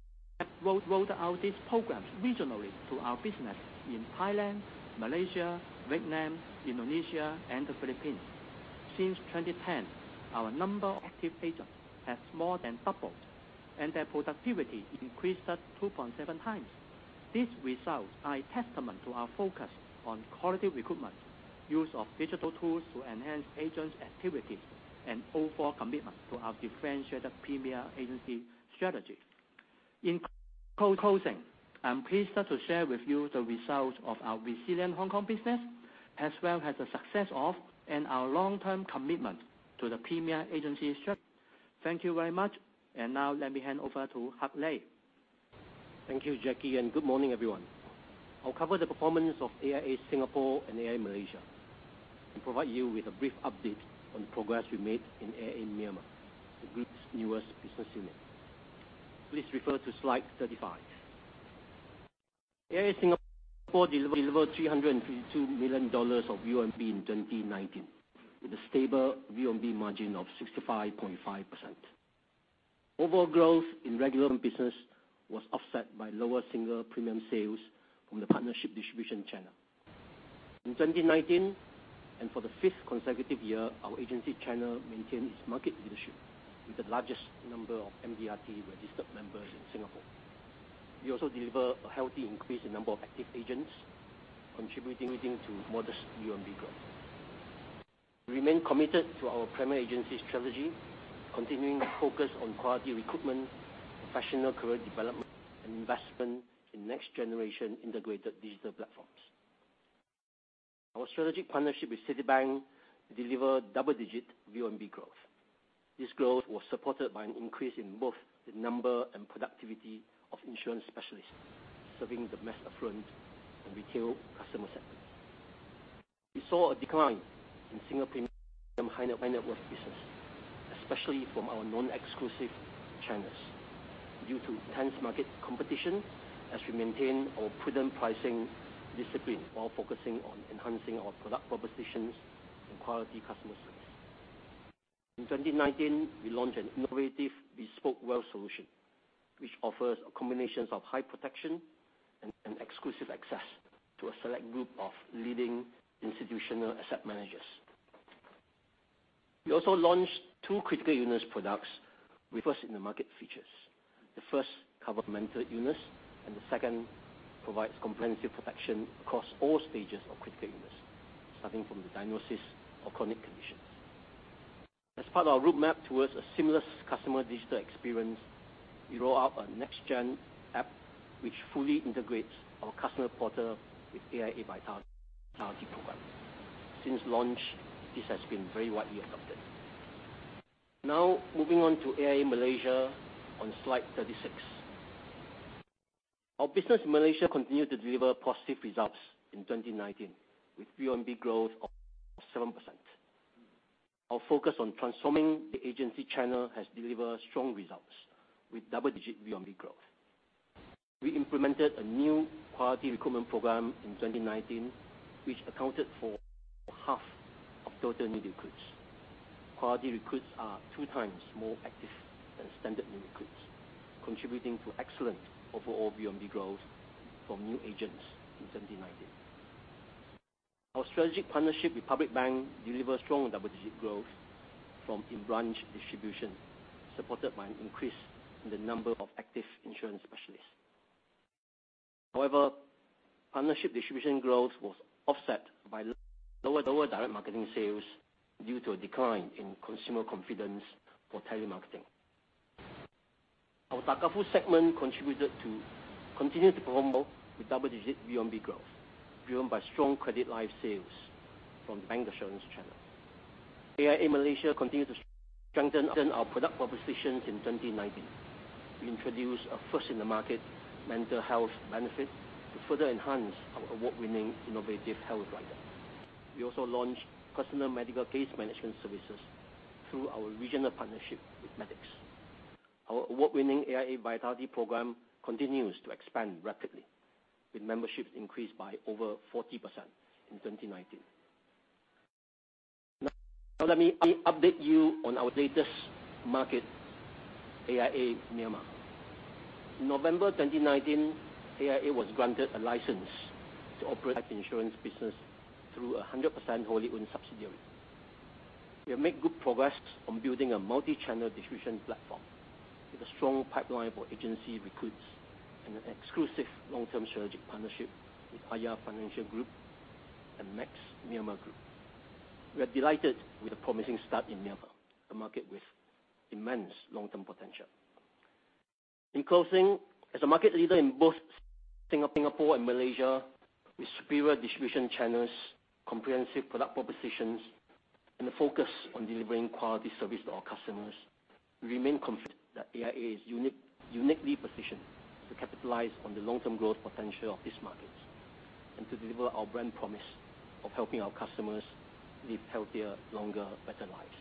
rolled out these programs regionally to our business in Thailand, Malaysia, Vietnam, Indonesia, and the Philippines. Since 2010, our number of active agents has more than doubled, and their productivity increased at 2.7x. These results are a testament to our focus on quality recruitment, use of digital tools to enhance agents' activities, and overall commitment to our differentiated Premier Agency strategy. In closing, I'm pleased to share with you the results of our resilient Hong Kong business, as well as the success of and our long-term commitment to the Premier Agency strategy. Thank you very much. Now let me hand over to Hak Leh. Thank you, Jacky, and good morning, everyone. I'll cover the performance of AIA Singapore and AIA Malaysia, and provide you with a brief update on the progress we made in AIA Myanmar, the Group's newest business unit. Please refer to slide 35. AIA Singapore delivered $352 million of VONB in 2019, with a stable VONB margin of 65.5%. Overall growth in regular business was offset by lower single premium sales from the partnership distribution channel. In 2019, and for the fifth consecutive year, our agency channel maintained its market leadership with the largest number of MDRT-registered members in Singapore. We also deliver a healthy increase in number of active agents, contributing to modest VONB growth. We remain committed to our Premier Agency strategy, continuing to focus on quality recruitment, professional career development, and investment in next generation integrated digital platforms. Our strategic partnership with Citibank delivered double-digit VONB growth. This growth was supported by an increase in both the number and productivity of insurance specialists, serving the mass affluent and retail customer segments. We saw a decline in single premium high-net-worth business, especially from our non-exclusive channels, due to intense market competition as we maintain our prudent pricing discipline while focusing on enhancing our product propositions and quality customer service. In 2019, we launched an innovative bespoke wealth solution, which offers a combination of high protection and exclusive access to a select group of leading institutional asset managers. We also launched two critical illness products with first-in-the-market features. The first covered mental illness, and the second provides comprehensive protection across all stages of critical illness, starting from the diagnosis of chronic conditions. As part of our roadmap towards a seamless customer digital experience, we roll out a next-gen app, which fully integrates our customer portal with AIA Vitality program. Since launch, this has been very widely adopted. Now, moving on to AIA Malaysia on slide 36. Our business in Malaysia continued to deliver positive results in 2019, with VONB growth of 7%. Our focus on transforming the agency channel has delivered strong results, with double-digit VONB growth. We implemented a new quality recruitment program in 2019, which accounted for half of total new recruits. Quality recruits are 2x more active than standard new recruits, contributing to excellent overall VONB growth from new agents in 2019. Our strategic partnership with Public Bank delivered strong double-digit growth from in-branch distribution, supported by an increase in the number of active insurance specialists. However, partnership distribution growth was offset by lower direct marketing sales due to a decline in consumer confidence for telemarketing. Our Takaful segment continued to perform well with double-digit VONB growth, driven by strong credit life sales from bancassurance channel. AIA Malaysia continued to strengthen our product propositions in 2019. We introduced a first-in-the-market mental health benefit to further enhance our award-winning innovative health rider. We also launched customer medical case management services through our regional partnership with Medix. Our award-winning AIA Vitality program continues to expand rapidly, with memberships increased by over 40% in 2019. Let me update you on our latest market, AIA Myanmar. In November 2019, AIA was granted a license to operate life insurance business through 100% wholly-owned subsidiary. We have made good progress on building a multi-channel distribution platform, with a strong pipeline for agency recruits and an exclusive long-term strategic partnership with AYA Financial Group and Max Myanmar Group. We are delighted with the promising start in Myanmar, a market with immense long-term potential. In closing, as a market leader in both Singapore and Malaysia with superior distribution channels, comprehensive product propositions, and a focus on delivering quality service to our customers, we remain confident that AIA is uniquely positioned to capitalize on the long-term growth potential of these markets and to deliver our brand promise of helping our customers live healthier, longer, better lives.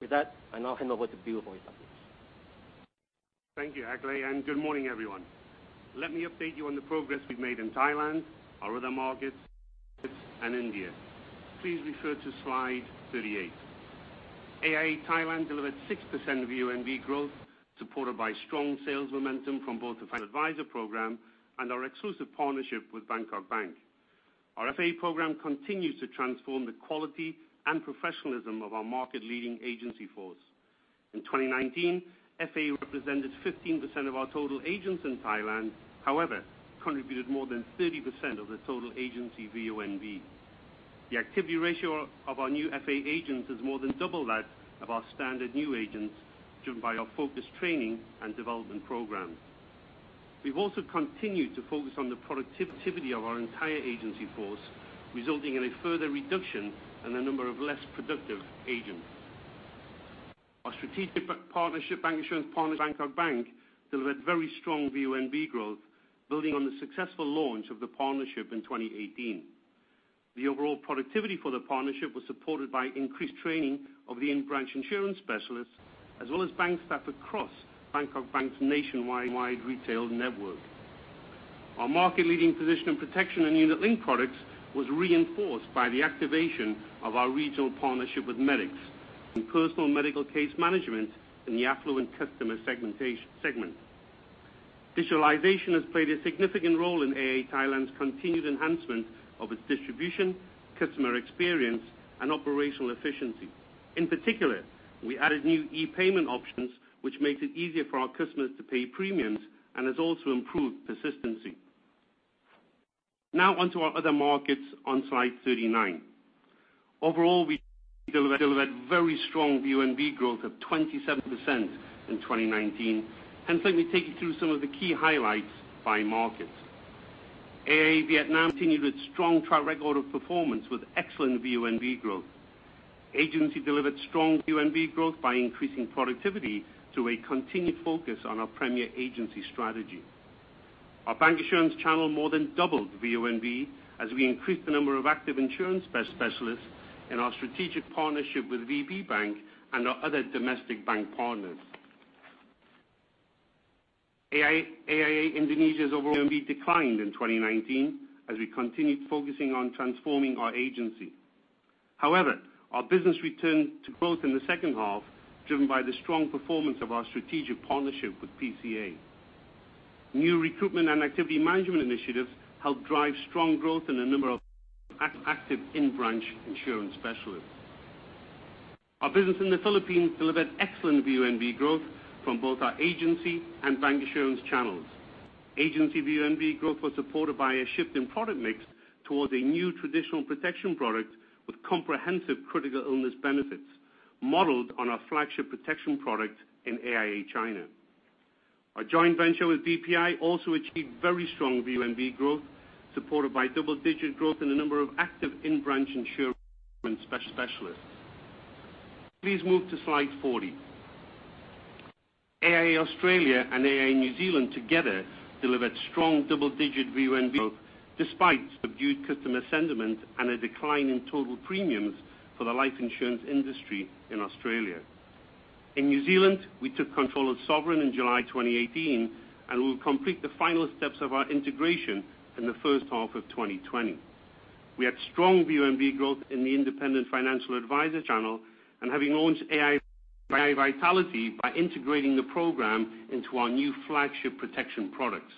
With that, I now hand over to Bill for his updates. Thank you, Hak Leh, and good morning, everyone. Let me update you on the progress we've made in Thailand, our Other Markets, and India. Please refer to slide 38. AIA Thailand delivered 6% VONB growth, supported by strong sales momentum from both the financial advisor program and our exclusive partnership with Bangkok Bank. Our FA program continues to transform the quality and professionalism of our market leading agency force. In 2019, FA represented 15% of our total agents in Thailand, however, contributed more than 30% of the total agency VONB. The activity ratio of our new FA agents is more than double that of our standard new agents, driven by our focused training and development program. We've also continued to focus on the productivity of our entire agency force, resulting in a further reduction in the number of less productive agents. Our strategic partnership bancassurance partners, Bangkok Bank, delivered very strong VONB growth, building on the successful launch of the partnership in 2018. The overall productivity for the partnership was supported by increased training of the in-branch insurance specialists, as well as bank staff across Bangkok Bank's nationwide retail network. Our market-leading position in protection and unit-linked products was reinforced by the activation of our regional partnership with Medix, in personal medical case management in the affluent customer segment. Digitalization has played a significant role in AIA Thailand's continued enhancement of its distribution, customer experience, and operational efficiency. In particular, we added new e-payment options, which makes it easier for our customers to pay premiums and has also improved persistency. Now on to our Other Markets on slide 39. Overall, we delivered very strong VONB growth of 27% in 2019. Let me take you through some of the key highlights by markets. AIA Vietnam continued its strong track record of performance with excellent VONB growth. Agency delivered strong VONB growth by increasing productivity through a continued focus on our Premier Agency strategy. Our bancassurance channel more than doubled VONB, as we increased the number of active insurance specialists in our strategic partnership with VPBank and our other domestic bank partners. AIA Indonesia's overall VONB declined in 2019, as we continued focusing on transforming our agency. However, our business returned to growth in the second half, driven by the strong performance of our strategic partnership with BCA. New recruitment and activity management initiatives helped drive strong growth in the number of active in-branch insurance specialists. Our business in the Philippines delivered excellent VONB growth from both our agency and bancassurance channels. Agency VONB growth was supported by a shift in product mix towards a new traditional protection product with comprehensive critical illness benefits, modeled on our flagship protection product in AIA China. Our joint venture with BPI also achieved very strong VONB growth, supported by double-digit growth in the number of active in-branch insurance specialists. Please move to slide 40. AIA Australia and AIA New Zealand together delivered strong double-digit VONB growth, despite subdued customer sentiment and a decline in total premiums for the life insurance industry in Australia. In New Zealand, we took control of Sovereign in July 2018. We will complete the final steps of our integration in the first half of 2020. We had strong VONB growth in the independent financial advisor channel, and having launched AIA Vitality by integrating the program into our new flagship protection products.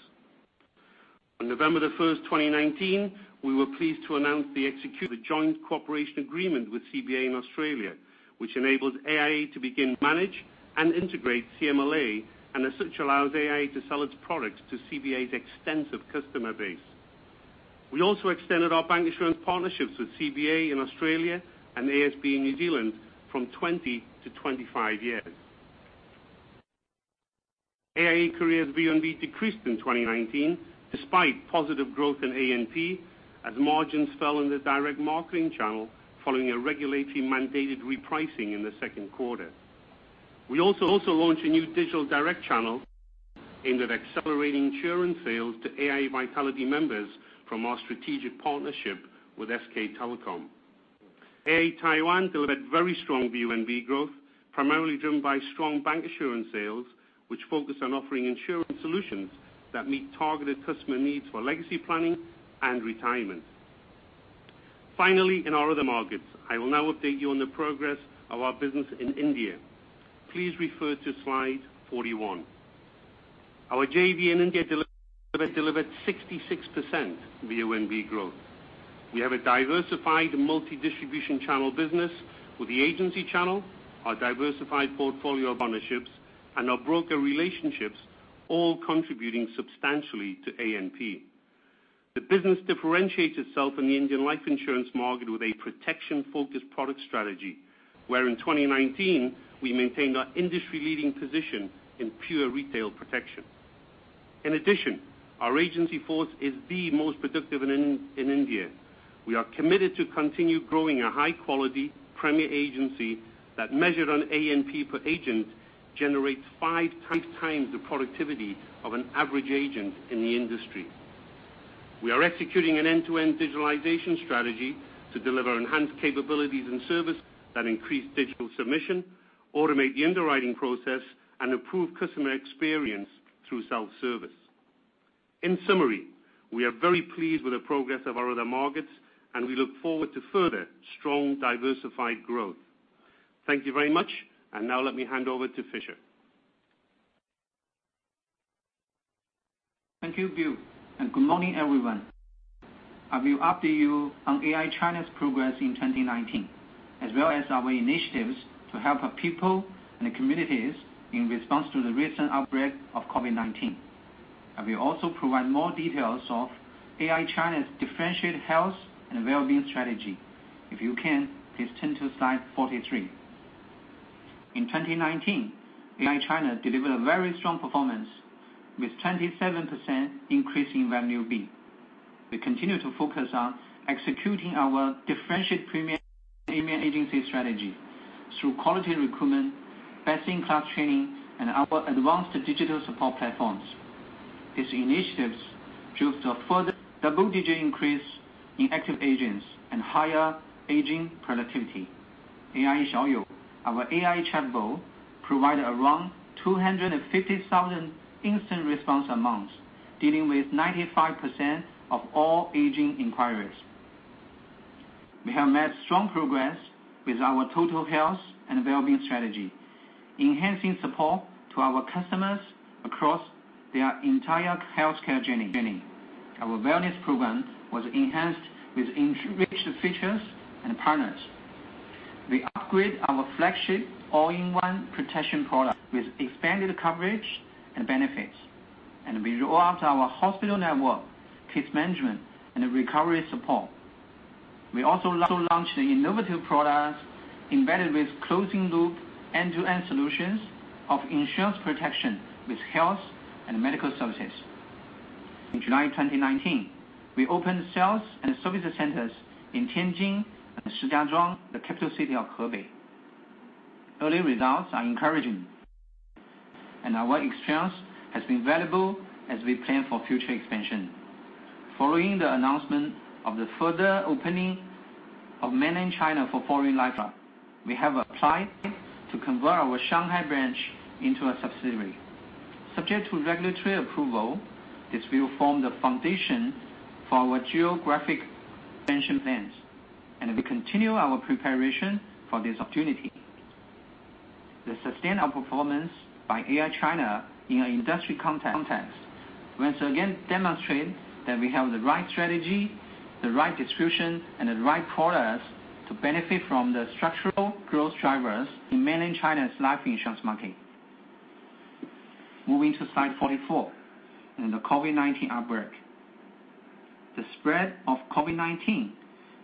On November 1st, 2019, we were pleased to announce the execution of a Joint Cooperation Agreement with CBA in Australia, which enables AIA to begin, manage, and integrate CMLA, and as such, allows AIA to sell its products to CBA's extensive customer base. We also extended our bancassurance partnerships with CBA in Australia and ASB in New Zealand from 20-25 years. AIA Korea's VONB decreased in 2019 despite positive growth in ANP, as margins fell in the direct marketing channel following a regulatory mandated repricing in the second quarter. We also launched a new digital direct channel aimed at accelerating insurance sales to AIA Vitality members from our strategic partnership with SK Telecom. AIA Taiwan delivered very strong VONB growth, primarily driven by strong bancassurance sales, which focus on offering insurance solutions that meet targeted customer needs for legacy planning and retirement. Finally, in our Other Markets, I will now update you on the progress of our business in India. Please refer to slide 41. Our JV in India delivered 66% VONB growth. We have a diversified multi-distribution channel business with the agency channel, our diversified portfolio of partnerships, and our broker relationships, all contributing substantially to ANP. The business differentiates itself in the Indian life insurance market with a protection focused product strategy, where in 2019, we maintained our industry leading position in pure retail protection. In addition, our agency force is the most productive in India. We are committed to continue growing a high quality Premier Agency that measured on ANP per agent, generates 5x the productivity of an average agent in the industry. We are executing an end-to-end digitalization strategy to deliver enhanced capabilities and services that increase digital submission, automate the underwriting process, and improve customer experience through self-service. In summary, we are very pleased with the progress of our Other Markets, and we look forward to further strong, diversified growth. Thank you very much, and now let me hand over to Fisher. Thank you, Bill. Good morning, everyone. I will update you on AIA China's progress in 2019, as well as our initiatives to help our people and the communities in response to the recent outbreak of COVID-19. I will also provide more details of AIA China's differentiated Health and Well-being strategy. If you can, please turn to slide 43. In 2019, AIA China delivered a very strong performance with 27% increase in VONB. We continue to focus on executing our differentiated Premier Agency strategy through quality recruitment, best in class training, and our advanced digital support platforms. These initiatives drove the further double-digit increase in active agents and higher agent productivity. AIA Xiao You, our AI chatbot, provided around 250,000 instant response amounts, dealing with 95% of all agent inquiries. We have made strong progress with our total Health and Well-being strategy, enhancing support to our customers across their entire healthcare journey. Our wellness program was enhanced with enriched features and partners. We upgrade our flagship all-in-one protection product with expanded coverage and benefits, and we roll out our hospital network, case management, and recovery support. We also launched innovative products embedded with closing loop end-to-end solutions of insurance protection with health and medical services. In July 2019, we opened sales and service centers in Tianjin and Shijiazhuang, the capital city of Hebei. Early results are encouraging, and our experience has been valuable as we plan for future expansion. Following the announcement of the further opening of Mainland China for foreign life insurers, we have applied to convert our Shanghai branch into a subsidiary. Subject to regulatory approval, this will form the foundation for our geographic expansion plans, and we continue our preparation for this opportunity. The sustained performance by AIA China in an industry context once again demonstrate that we have the right strategy, the right distribution, and the right products to benefit from the structural growth drivers in Mainland China's life insurance market. Moving to slide 44 and the COVID-19 outbreak. The spread of COVID-19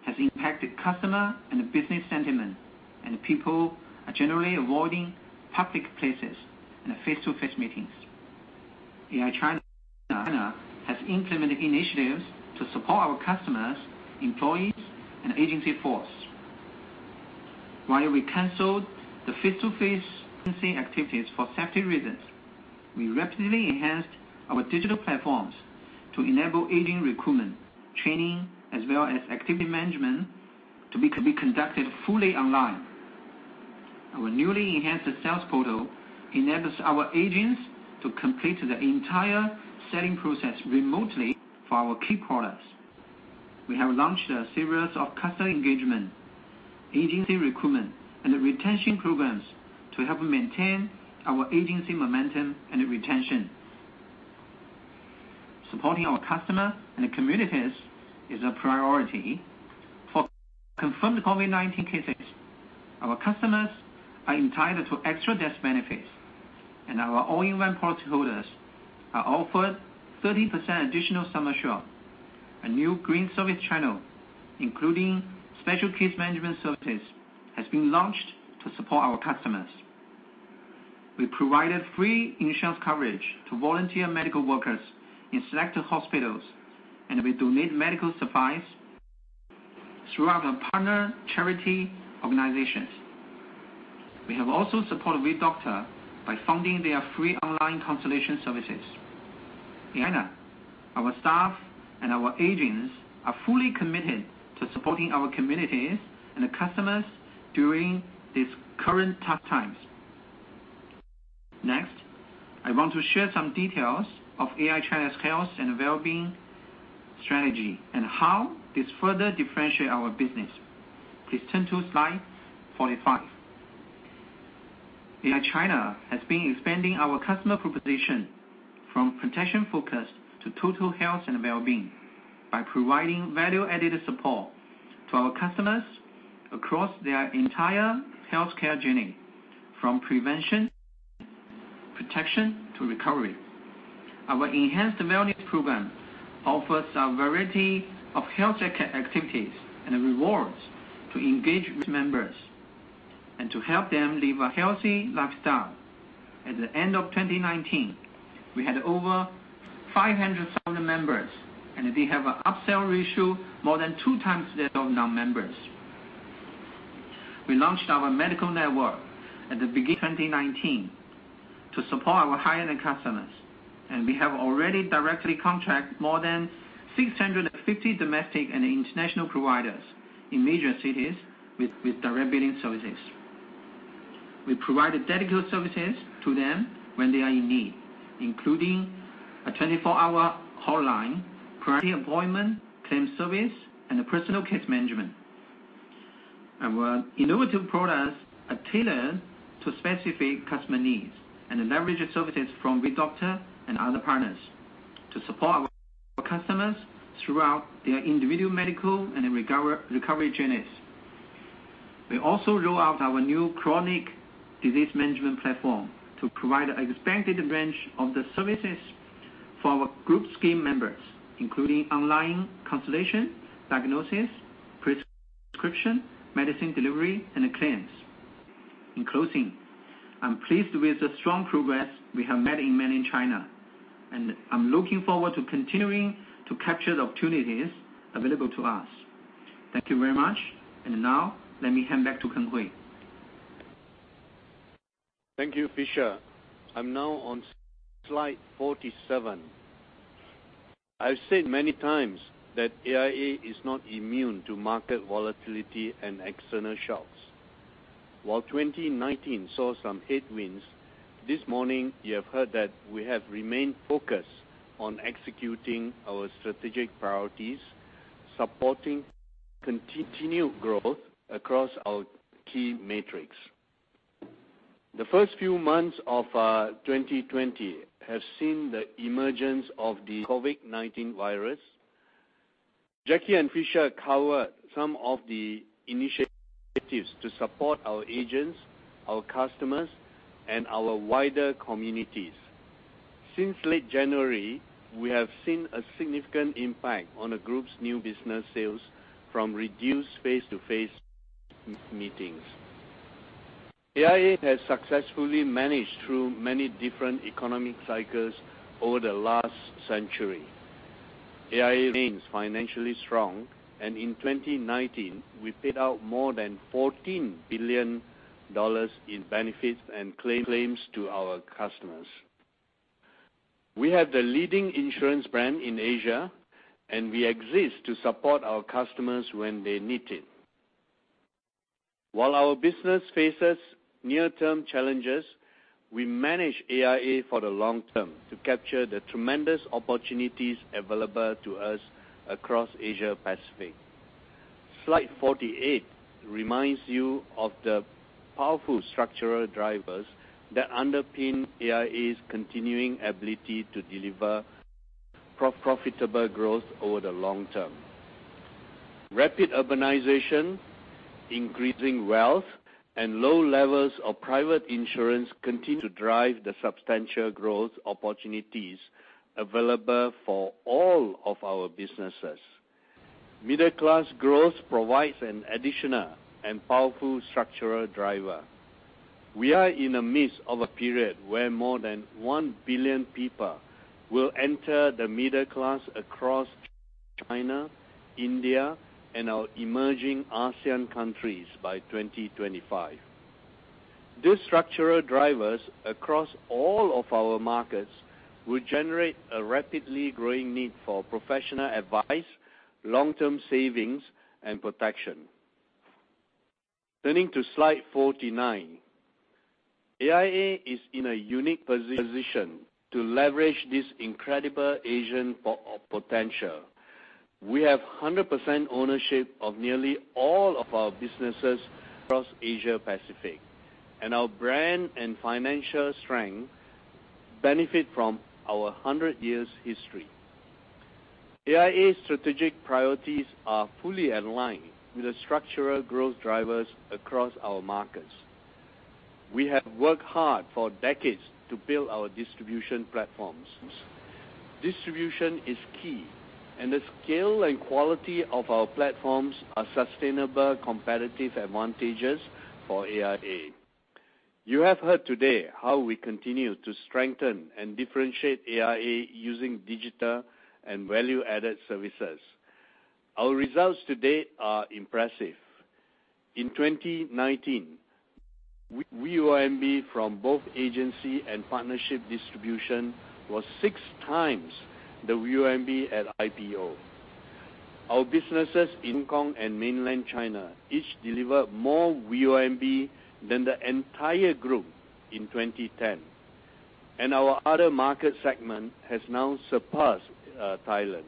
has impacted customer and business sentiment, and people are generally avoiding public places and face-to-face meetings. AIA China has implemented initiatives to support our customers, employees, and agency force. While we canceled the face-to-face agency activities for safety reasons, we rapidly enhanced our digital platforms to enable agent recruitment, training, as well as activity management to be conducted fully online. Our newly enhanced sales portal enables our agents to complete the entire selling process remotely for our key products. We have launched a series of customer engagement, agency recruitment, and retention programs to help maintain our agency momentum and retention. Supporting our customer and the communities is a priority. For confirmed COVID-19 cases, our customers are entitled to extra death benefits, and our all-in-one policyholders are offered 30% additional sum assured. A new green service channel, including special case management services, has been launched to support our customers. We provided free insurance coverage to volunteer medical workers in selected hospitals, and we donate medical supplies throughout our partner charity organizations. We have also supported WeDoctor by funding their free online consultation services. In AIA, our staff and our agents are fully committed to supporting our communities and the customers during these current tough times. Next, I want to share some details of AIA China's Health and Well-being strategy and how this further differentiate our business. Please turn to slide 45. AIA China has been expanding our customer proposition from protection focus to total health and wellbeing by providing value-added support to our customers across their entire healthcare journey, from prevention to recovery. Our enhanced wellness program offers a variety of health check activities and rewards to engage members, and to help them live a healthy lifestyle. At the end of 2019, we had over 500,000 members, and we have an upsell ratio more than 2x that of non-members. We launched our medical network at the beginning of 2019 to support our high-end customers, and we have already directly contracted more than 650 domestic and international providers in major cities with direct billing services. We provide dedicated services to them when they are in need, including a 24-hour hotline, priority appointment, claim service, and personal case management. Our innovative products are tailored to specific customer needs, leverage services from WeDoctor and other partners to support our customers throughout their individual medical and recovery journeys. We also roll out our new chronic disease management platform to provide an expanded range of the services for our Group scheme members, including online consultation, diagnosis, prescription, medicine delivery, and claims. In closing, I'm pleased with the strong progress we have made in Mainland China, I'm looking forward to continuing to capture the opportunities available to us. Thank you very much. Now, let me hand back to Keng Hooi. Thank you, Fisher. I'm now on slide 47. I've said many times that AIA is not immune to market volatility and external shocks. While 2019 saw some headwinds, this morning you have heard that we have remained focused on executing our strategic priorities, supporting continued growth across our key metrics. The first few months of our 2020 have seen the emergence of the COVID-19 virus. Jacky and Fisher covered some of the initiatives to support our agents, our customers, and our wider communities. Since late January, we have seen a significant impact on the Group's new business sales from reduced face-to-face meetings. AIA has successfully managed through many different economic cycles over the last century. AIA remains financially strong, and in 2019, we paid out more than $14 billion in benefits and claims to our customers. We have the leading insurance brand in Asia, and we exist to support our customers when they need it. While our business faces near-term challenges, we manage AIA for the long term to capture the tremendous opportunities available to us across Asia-Pacific. Slide 48 reminds you of the powerful structural drivers that underpin AIA's continuing ability to deliver profitable growth over the long term. Rapid urbanization, increasing wealth, and low levels of private insurance continue to drive the substantial growth opportunities available for all of our businesses. Middle-class growth provides an additional and powerful structural driver. We are in the midst of a period where more than 1 billion people will enter the middle class across China, India, and our emerging ASEAN countries by 2025. These structural drivers across all of our markets will generate a rapidly growing need for professional advice, long-term savings, and protection. Turning to slide 49. AIA is in a unique position to leverage this incredible Asian potential. We have 100% ownership of nearly all of our businesses across Asia-Pacific. Our brand and financial strength benefit from our 100-years history. AIA's strategic priorities are fully aligned with the structural growth drivers across our markets. We have worked hard for decades to build our distribution platforms. Distribution is key, and the scale and quality of our platforms are sustainable competitive advantages for AIA. You have heard today how we continue to strengthen and differentiate AIA using digital and value-added services. Our results to date are impressive. In 2019, VONB from both agency and partnership distribution was 6x the VONB at IPO. Our businesses in Hong Kong and Mainland China each deliver more VONB than the entire Group in 2010. Our Other Markets segment has now surpassed Thailand.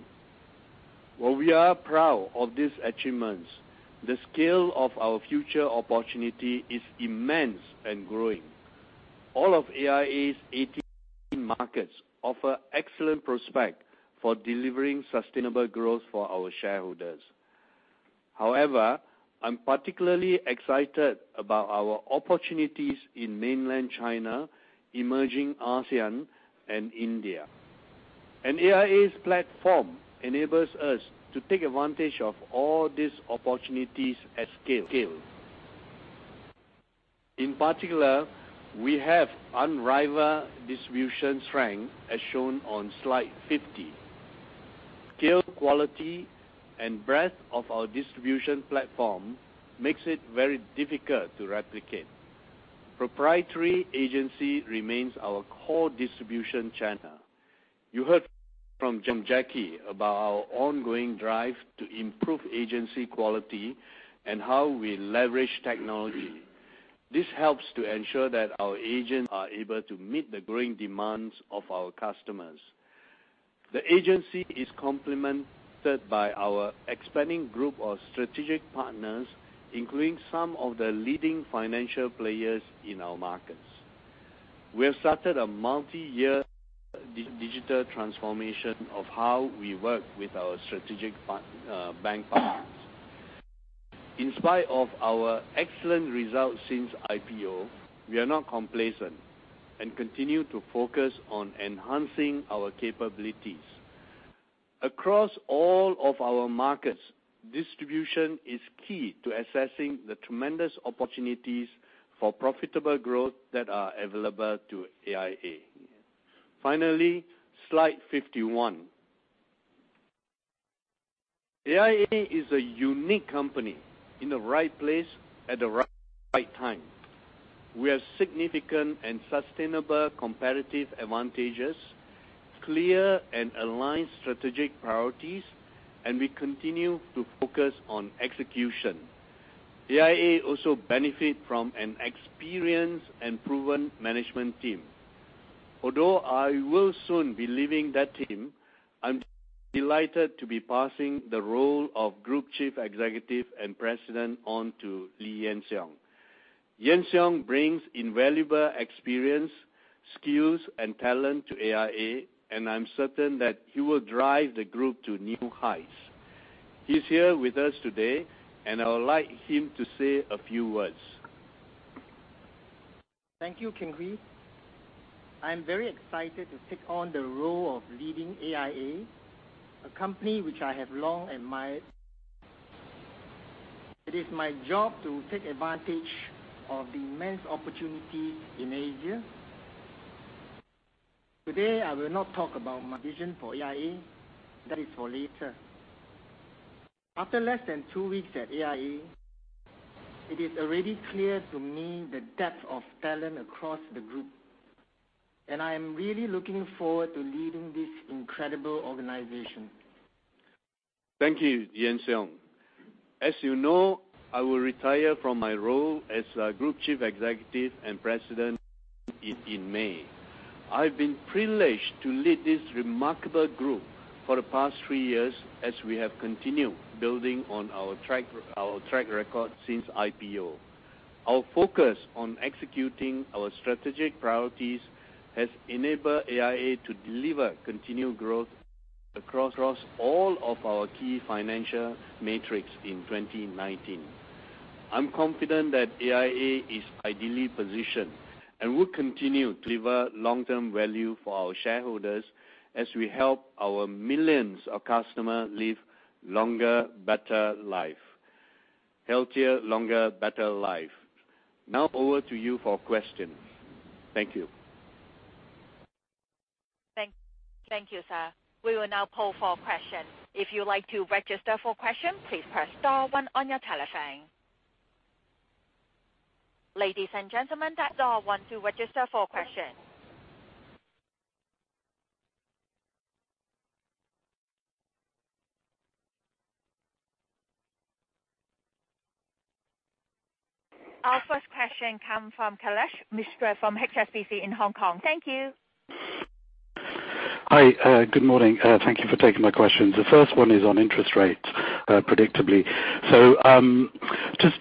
While we are proud of these achievements, the scale of our future opportunity is immense and growing. All of AIA's 18 markets offer excellent prospect for delivering sustainable growth for our shareholders. I'm particularly excited about our opportunities in Mainland China, emerging ASEAN, and India. AIA's platform enables us to take advantage of all these opportunities at scale. In particular, we have unrivaled distribution strength as shown on slide 50. Scale, quality, and breadth of our distribution platform makes it very difficult to replicate. Proprietary agency remains our core distribution channel. You heard from Jacky about our ongoing drive to improve agency quality and how we leverage technology. This helps to ensure that our agents are able to meet the growing demands of our customers. The agency is complemented by our expanding Group of strategic partners, including some of the leading financial players in our markets. We have started a multi-year digital transformation of how we work with our strategic bank partners. In spite of our excellent results since IPO, we are not complacent and continue to focus on enhancing our capabilities. Across all of our markets, distribution is key to assessing the tremendous opportunities for profitable growth that are available to AIA. Finally, slide 51. AIA is a unique company in the right place at the right time. We have significant and sustainable competitive advantages, clear and aligned strategic priorities, and we continue to focus on execution. AIA also benefit from an experienced and proven management team. Although I will soon be leaving that team, I'm delighted to be passing the role of Group Chief Executive and President on to Lee Yuan Siong. Yuan Siong brings invaluable experience, skills, and talent to AIA, and I'm certain that he will drive the Group to new heights. He's here with us today, and I would like him to say a few words. Thank you, Keng Hooi. I'm very excited to take on the role of leading AIA, a company which I have long admired. It is my job to take advantage of the immense opportunities in Asia. Today, I will not talk about my vision for AIA. That is for later. After less than two weeks at AIA, it is already clear to me the depth of talent across the Group, and I am really looking forward to leading this incredible organization. Thank you, Yuan Siong. As you know, I will retire from my role as Group Chief Executive and President in May. I've been privileged to lead this remarkable Group for the past three years as we have continued building on our track record since IPO. Our focus on executing our strategic priorities has enabled AIA to deliver continued growth across all of our key financial metrics in 2019. I'm confident that AIA is ideally positioned and will continue to deliver long-term value for our shareholders as we help our millions of customers live healthier, longer, better lives. Now over to you for questions. Thank you. Thank you, sir. We will now poll for questions. If you'd like to register for questions, please press star one on your telephone. Ladies and gentlemen, dial star one to register for questions. Our first question come from Kailesh Mistry from HSBC in Hong Kong. Thank you. Hi. Good morning. Thank you for taking my questions. The first one is on interest rates, predictably.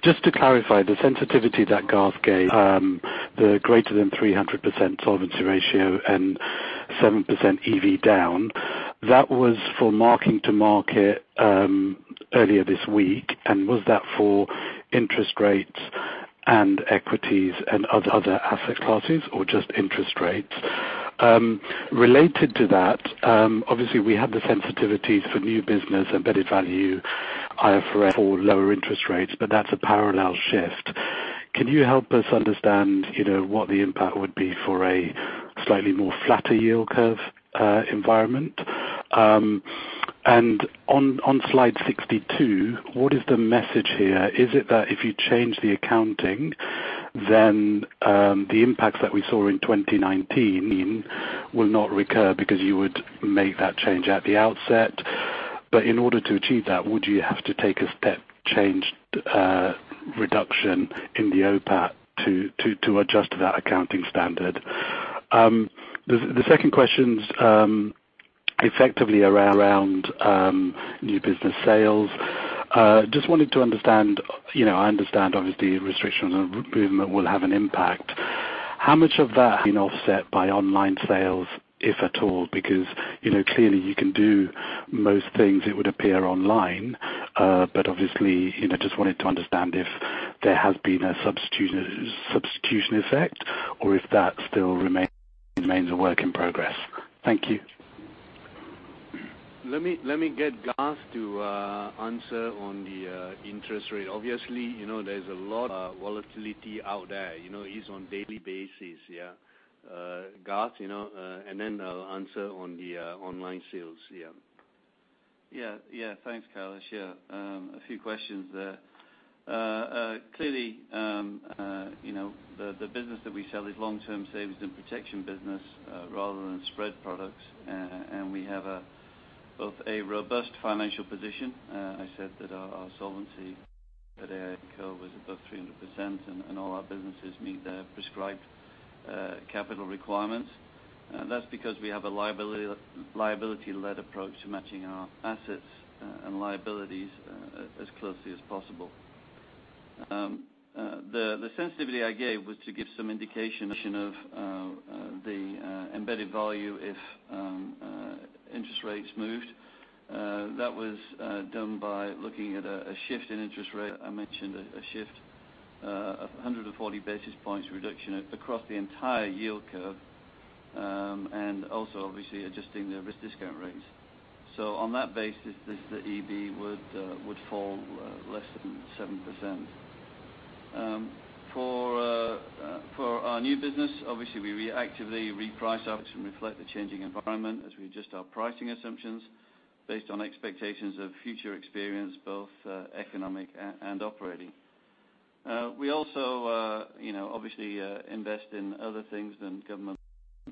Just to clarify the sensitivity that Garth gave, the greater than 300% solvency ratio and 7% EV down, that was for marking to market earlier this week, and was that for interest rates and equities and other asset classes or just interest rates? Related to that, obviously we had the sensitivities for new business embedded value IFRS for lower interest rates, but that's a parallel shift. Can you help us understand what the impact would be for a slightly more flatter yield curve environment? On slide 62, what is the message here? Is it that if you change the accounting, then the impacts that we saw in 2019 will not recur because you would make that change at the outset? In order to achieve that, would you have to take a step change reduction in the OPAT to adjust to that accounting standard? The second question's effectively around new business sales. Just wanted to understand, I understand obviously restrictions on movement will have an impact. How much of that has been offset by online sales, if at all? Clearly you can do most things, it would appear, online. Obviously, I just wanted to understand if there has been a substitution effect or if that still remains a work in progress. Thank you. Let me get Garth to answer on the interest rate. Obviously, there's a lot of volatility out there. It's on daily basis. Yeah. Garth, and then I'll answer on the online sales. Yeah. Thanks, Kailesh. A few questions there. Clearly, the business that we sell is long-term savings and protection business rather than spread products. We have both a robust financial position. I said that our solvency at AIA Group was above 300%, and all our businesses meet their prescribed capital requirements. That's because we have a liability-led approach to matching our assets and liabilities as closely as possible. The sensitivity I gave was to give some indication of the embedded value if interest rates moved. That was done by looking at a shift in interest rate. I mentioned a shift of 140 basis points reduction across the entire yield curve, and also obviously adjusting the risk discount rates. On that basis, the EV would fall less than 7%. For our new business, obviously, we actively reprice our products and reflect the changing environment as we adjust our pricing assumptions based on expectations of future experience, both economic and operating. We also obviously invest in other things than government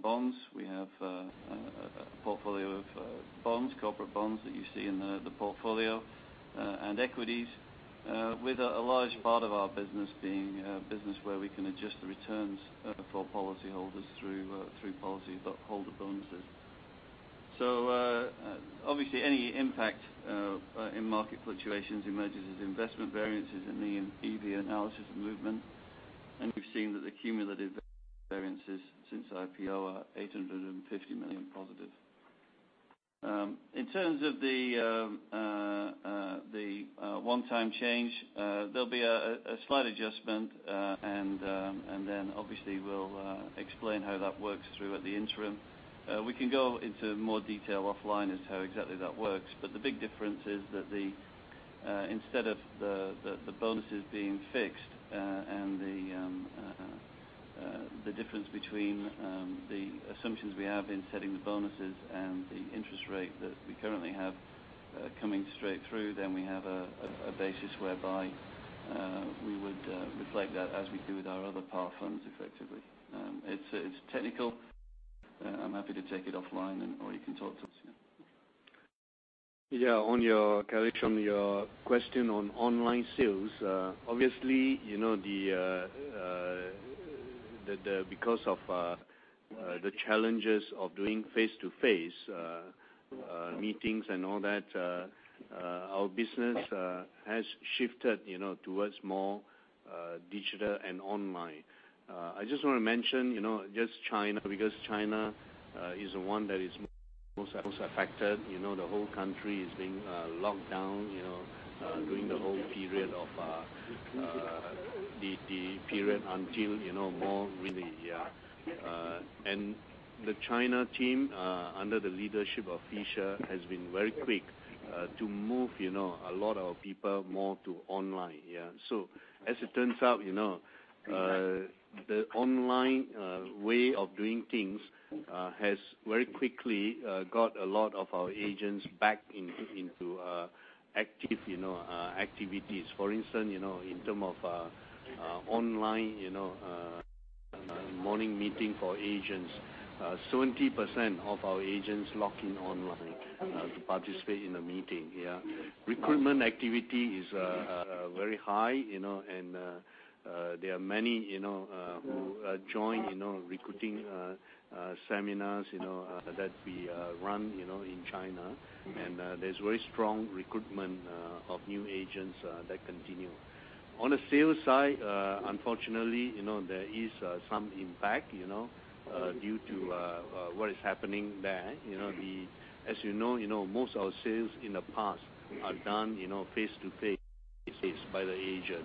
bonds. We have a portfolio of bonds, corporate bonds, that you see in the portfolio, and equities, with a large part of our business being a business where we can adjust the returns for policyholders through policyholder bonuses. Obviously any impact in market fluctuations emerges as investment variances in the EV analysis movement. We've seen that the cumulative variances since IPO are $850 million positive. In terms of the one-time change, there'll be a slight adjustment, obviously we'll explain how that works through at the interim. We can go into more detail offline as to how exactly that works. The big difference is that instead of the bonuses being fixed, and the difference between the assumptions we have in setting the bonuses and the interest rate that we currently have coming straight through, then we have a basis whereby we would reflect that as we do with our other par funds, effectively. It's technical. I'm happy to take it offline or you can talk to us. Yeah. Yeah. Kailesh, on your question on online sales, obviously, because of the challenges of doing face-to-face meetings and all that, our business has shifted towards more digital and online. I just want to mention, just China, because China is the one that is most affected. The whole country is being locked down during the period until more relieved. Yeah. The China team, under the leadership of Fisher, has been very quick to move a lot of people more to online. Yeah. As it turns out, the online way of doing things has very quickly got a lot of our agents back into active activities. For instance, in term of online morning meeting for agents, 70% of our agents log in online to participate in the meeting. Yeah. Recruitment activity is very high, there are many who join recruiting seminars that we run in China. There's very strong recruitment of new agents that continue. On the sales side, unfortunately, there is some impact due to what is happening there. As you know, most our sales in the past are done face to face by the agent.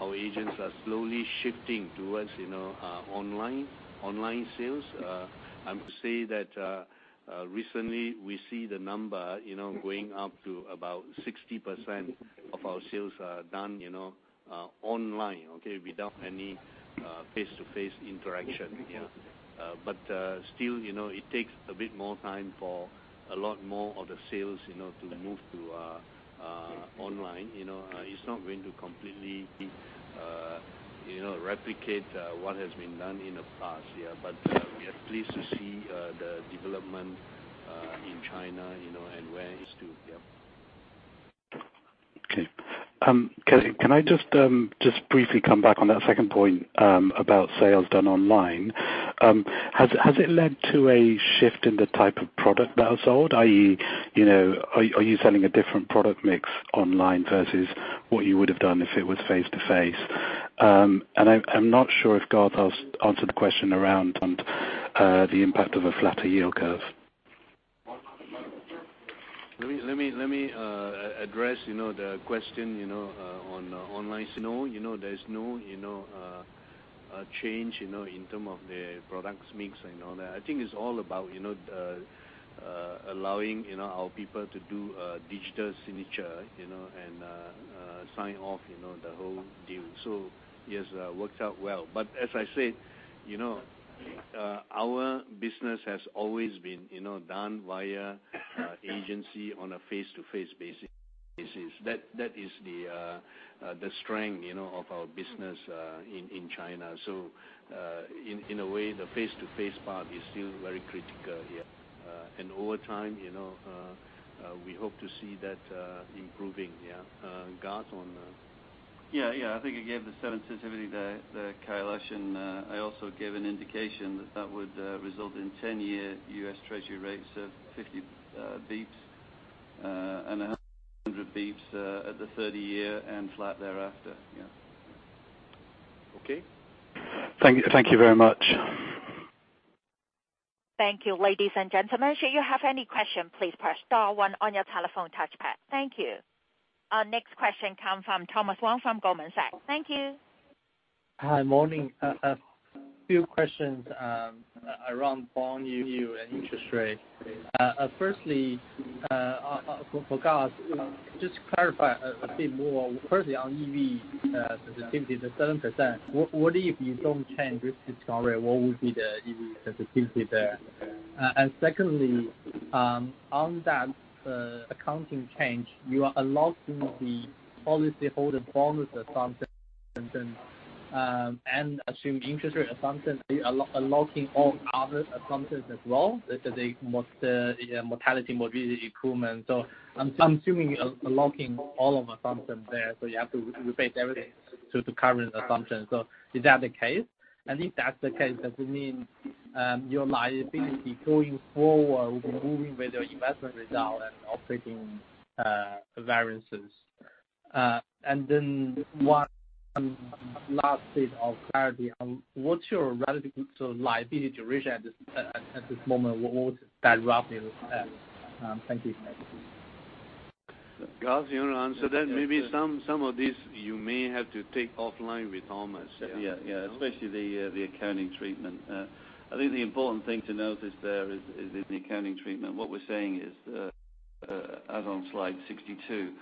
Our agents are slowly shifting towards online sales. I would say that recently we see the number going up to about 60% of our sales are done online. Without any face-to-face interaction. Still, it takes a bit more time for a lot more of the sales to move to online. It's not going to completely replicate what has been done in the past. We are pleased to see the development in China and where it is, too. Okay. Can I just briefly come back on that second point about sales done online? Has it led to a shift in the type of product that was sold, i.e., are you selling a different product mix online versus what you would've done if it was face-to-face? I'm not sure if Garth has answered the question around the impact of a flatter yield curve. Let me address the question on online. There's no change in terms of the products mix and all that. I think it's all about allowing our people to do a digital signature and sign off the whole deal. Yes, worked out well. As I said, our business has always been done via agency on a face-to-face basis. That is the strength of our business in China. In a way, the face-to-face part is still very critical, yeah. Over time, we hope to see that improving, yeah. Garth, on Yeah. I think I gave the sensitivity there, Kailesh, and I also gave an indication that that would result in 10-year U.S. treasury rates of 50 basis points and 100 basis points at the 30-year and flat thereafter. Yeah. Okay. Thank you very much. Thank you. Ladies and gentlemen, should you have any question, please press star one on your telephone touch pad. Thank you. Our next question come from Thomas Wang from Goldman Sachs. Thank you. Hi. Morning. A few questions around bond yield and interest rate. Firstly, for Garth, just to clarify a bit more. Firstly, on EV sensitivity, the 7%, what if you don't change risk discount rate? What would be the EV sensitivity there? Secondly, on that accounting change, you are unlocking the policyholder bonus assumptions and assume interest rate assumptions are unlocking all other assumptions as well, such as the mortality, morbidity improvement. I'm assuming you're unlocking all of assumptions there, so you have to replace everything to the current assumptions. Is that the case? If that's the case, does it mean your liability going forward will be moving with your investment result and offsetting variances? One last bit of clarity. What's your relative liability duration at this moment? What would that roughly look like? Thank you. Garth, you want to answer that? Maybe some of these you may have to take offline with Thomas. Yeah. Especially the accounting treatment. I think the important thing to notice there is, in the accounting treatment, what we're saying is, as on slide 62,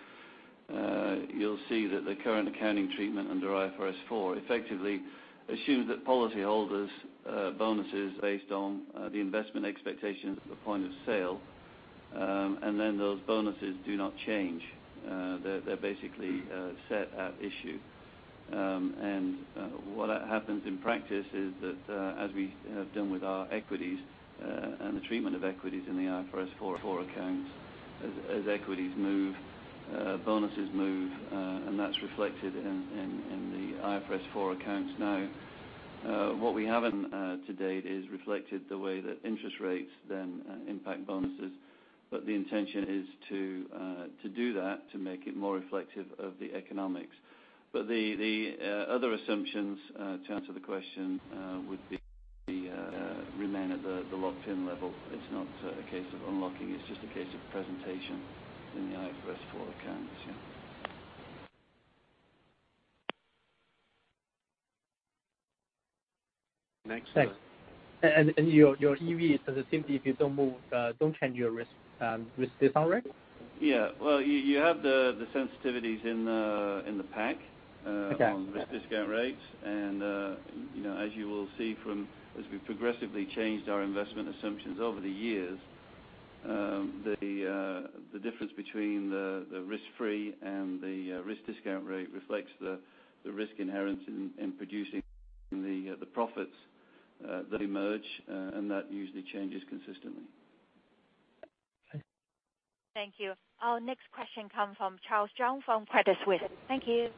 you'll see that the current accounting treatment under IFRS 4 effectively assumes that policyholders' bonuses based on the investment expectations at the point of sale, and then those bonuses do not change. They're basically set at issue. What happens in practice is that, as we have done with our equities, and the treatment of equities in the IFRS 4 accounts, as equities move, bonuses move, and that's reflected in the IFRS 4 accounts now. What we haven't to date is reflected the way that interest rates then impact bonuses. The intention is to do that, to make it more reflective of the economics. The other assumptions, to answer the question, would remain at the locked-in level. It's not a case of unlocking, it's just a case of presentation in the IFRS 4 accounts. Yeah. Thanks. Your EV sensitivity if you don't change your risk discount rate? Yeah. Well, you have the sensitivities in the pack. Okay. On risk discount rates. As you will see, as we've progressively changed our investment assumptions over the years, the difference between the risk-free and the risk discount rate reflects the risk inherent in producing the profits that emerge, and that usually changes consistently. Okay. Thank you. Our next question come from Charles Zhou from Credit Suisse. Thank you.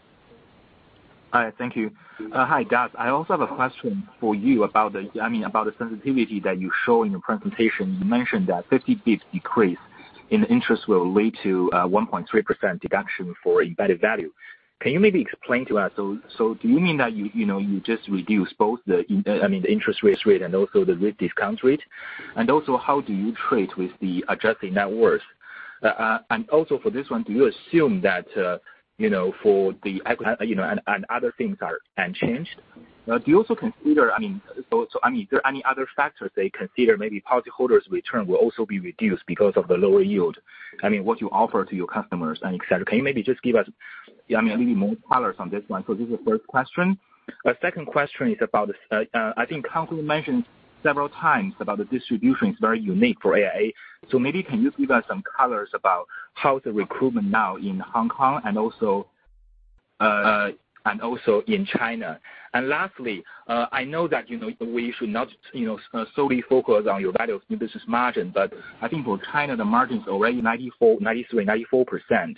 Hi. Thank you. Hi, Garth. I also have a question for you about the sensitivity that you show in your presentation. You mentioned that 50 basis points decrease in interest will lead to a 1.3% deduction for embedded value. Can you maybe explain to us, do you mean that you just reduce both the interest rates and also the risk discount rate? How do you treat with the adjusted net worth? For this one, do you assume that other things are unchanged? Do you also consider, are there any other factors that you consider, maybe policyholders' return will also be reduced because of the lower yield? What you offer to your customers and et cetera? Can you maybe just give us a little bit more colors on this one? This is the first question. My second question is about, I think Keng Hooi mentioned several times about the distribution is very unique for AIA. Maybe can you give us some colors about how's the recruitment now in Hong Kong and also in China? Lastly, I know that we should not solely focus on your value of new business margin, but I think for China, the margin's already 93%, 94%.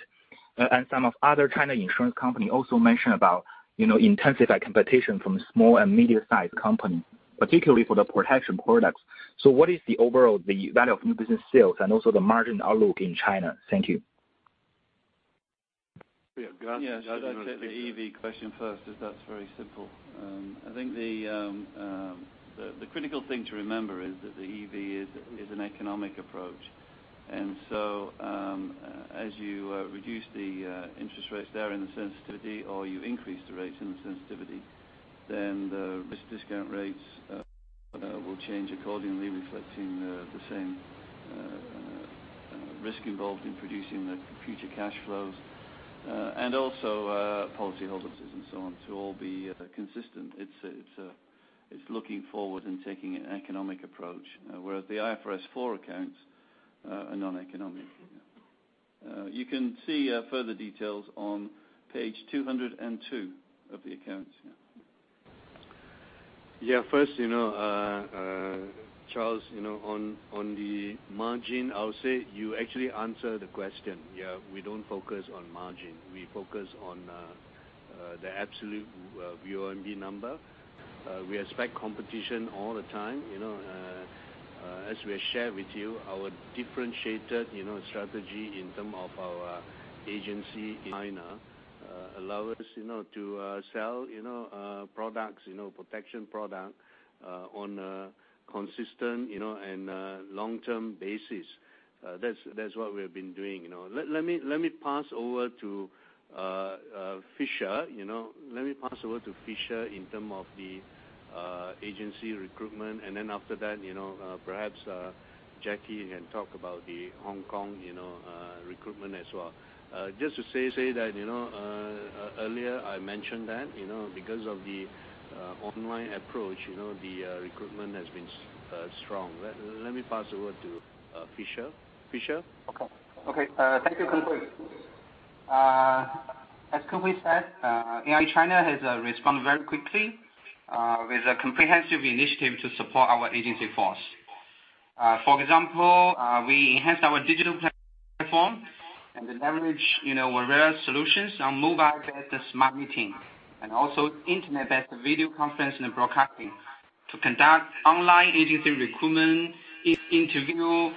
And some of other China insurance company also mention about intensified competition from small and medium-sized company, particularly for the protection products. What is the overall, the value of new business sales and also the margin outlook in China? Thank you. Yeah. Garth, did you want to take that? Yes. I'd like to take the EV question first, as that's very simple. I think the critical thing to remember is that the EV is an economic approach. As you reduce the interest rates there in the sensitivity, or you increase the rates in the sensitivity, then the risk discount rates will change accordingly, reflecting the same risk involved in producing the future cash flows. Also, policyholders and so on to all be consistent. It's looking forward and taking an economic approach. The IFRS 4 accounts are non-economic. You can see further details on page 202 of the accounts. First, Charles, on the margin, I would say you actually answered the question. We don't focus on margin. We focus on the absolute VONB number. We expect competition all the time. As we have shared with you, our differentiated strategy in terms of our agency in China allow us to sell protection product on a consistent and long-term basis. That's what we've been doing. Let me pass over to Fisher in terms of the agency recruitment, and then after that, perhaps Jacky can talk about the Hong Kong recruitment as well. Just to say that earlier I mentioned that, because of the online approach, the recruitment has been strong. Let me pass over to Fisher. Fisher? Okay. Thank you, Keng Hooi. As Keng Hooi said, AIA China has responded very quickly with a comprehensive initiative to support our agency force. For example, we enhanced our digital platform and leveraged various solutions on mobile-based smart meeting, and also internet-based video conference and broadcasting to conduct online agency recruitment, e-interview.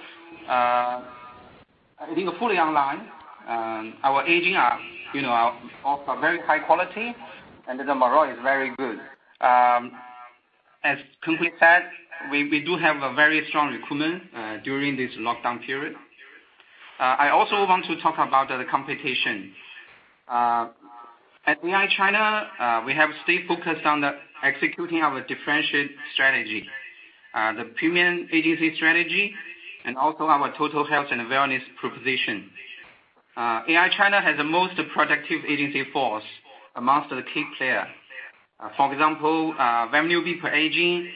I think fully online. Our agent are of a very high quality, and the morale is very good. As Keng Hooi said, we do have a very strong recruitment during this lockdown period. I also want to talk about the competition. At AIA China, we have stayed focused on the executing of a differentiated strategy. The Premier Agency strategy and also our total health and wellness proposition. AIA China has the most productive agency force amongst the key player. For example, revenue fee per agent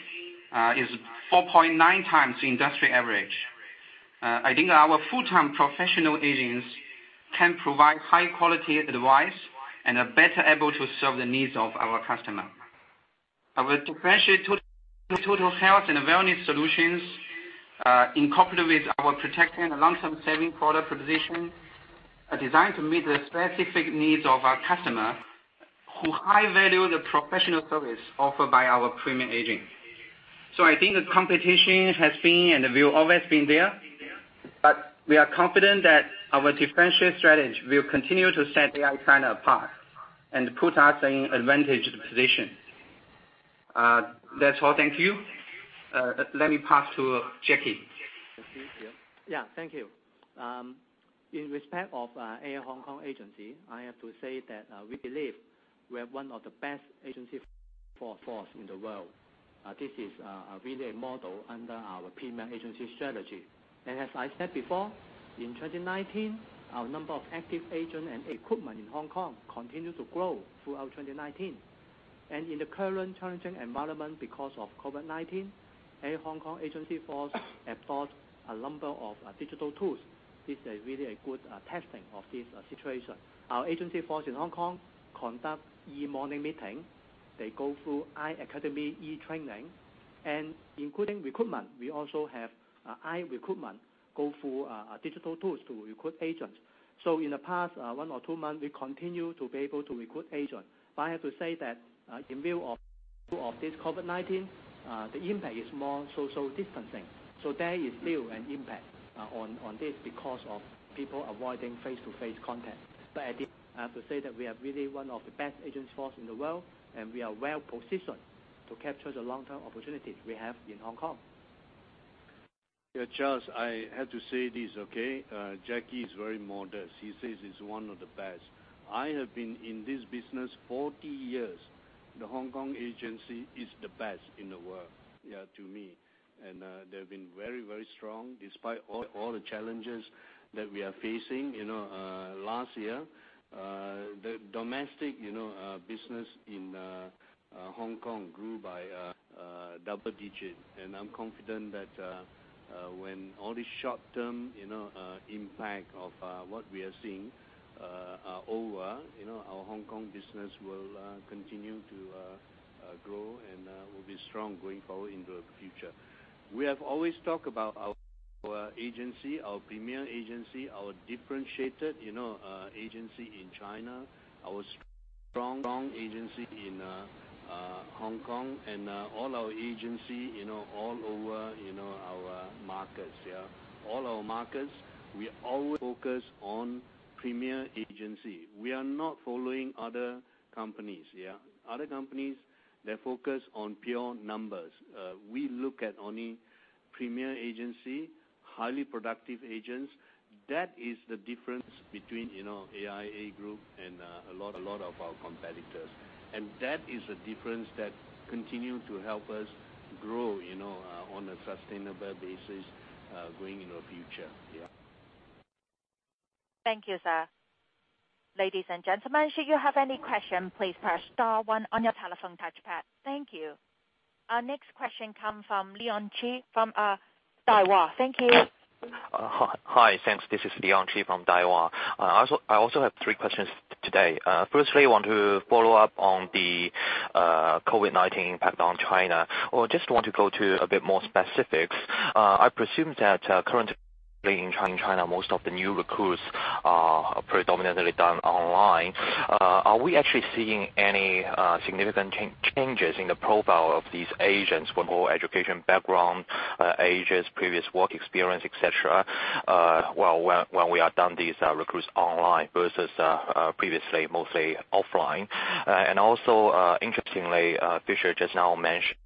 is 4.9x the industry average. I think our full-time professional agents can provide high quality advice and are better able to serve the needs of our customer. Our differentiated total health and wellness solutions, in cooperative with our protection and long-term saving product proposition, are designed to meet the specific needs of our customer who high value the professional service offered by our premium agent. I think the competition has been, and will always been there, but we are confident that our differentiated strategy will continue to set AIA China apart and put us in advantage position. That's all. Thank you. Let me pass to Jacky. Thank you. Yeah. Thank you. In respect of AIA Hong Kong agency, I have to say that we believe we are one of the best agency force in the world. This is really a model under our Premier Agency strategy. As I said before, in 2019, our number of active agent and recruitment in Hong Kong continued to grow throughout 2019. In the current challenging environment, because of COVID-19, AIA Hong Kong agency force adopt a number of digital tools. This is really a good testing of this situation. Our agency force in Hong Kong conduct e-morning meeting. They go through iAcademy e-training, and including recruitment. We also have iRecruit go through digital tools to recruit agents. In the past one or two months, we continue to be able to recruit agent. I have to say that, in view of this COVID-19, the impact is more social distancing. There is still an impact on this because of people avoiding face-to-face contact. I have to say that we are really one of the best agent force in the world, and we are well positioned to capture the long-term opportunities we have in Hong Kong. Charles, I have to say this, okay? Jacky is very modest. He says he's one of the best. I have been in this business 40 years. The Hong Kong agency is the best in the world to me. They've been very strong despite all the challenges that we are facing. Last year, the domestic business in Hong Kong grew by double digit. I'm confident that when all this short-term impact of what we are seeing are over, our Hong Kong business will continue to grow and will be strong going forward into the future. We have always talked about our agency, our Premier Agency, our differentiated agency in China. Our strong agency in Hong Kong and all our agency all over our markets, we always focus on Premier Agency. We are not following other companies. Other companies, they focus on pure numbers. We look at only Premier Agency, highly productive agents. That is the difference between AIA Group and a lot of our competitors. That is the difference that continue to help us grow on a sustainable basis going into future. Yeah. Thank you, sir. Ladies and gentlemen, should you have any question, please press star one on your telephone touchpad. Thank you. Our next question come from Leon Qi from Daiwa. Thank you. Hi. Thanks. This is Leon Qi from Daiwa. I also have three questions today. Firstly, I want to follow-up on the COVID-19 impact on China, or just want to go to a bit more specifics. I presume that currently in China, most of the new recruits are predominantly done online. Are we actually seeing any significant changes in the profile of these agents from whole education background, ages, previous work experience, et cetera, when we are done these recruits online versus previously mostly offline? Interestingly, Fisher just now mentioned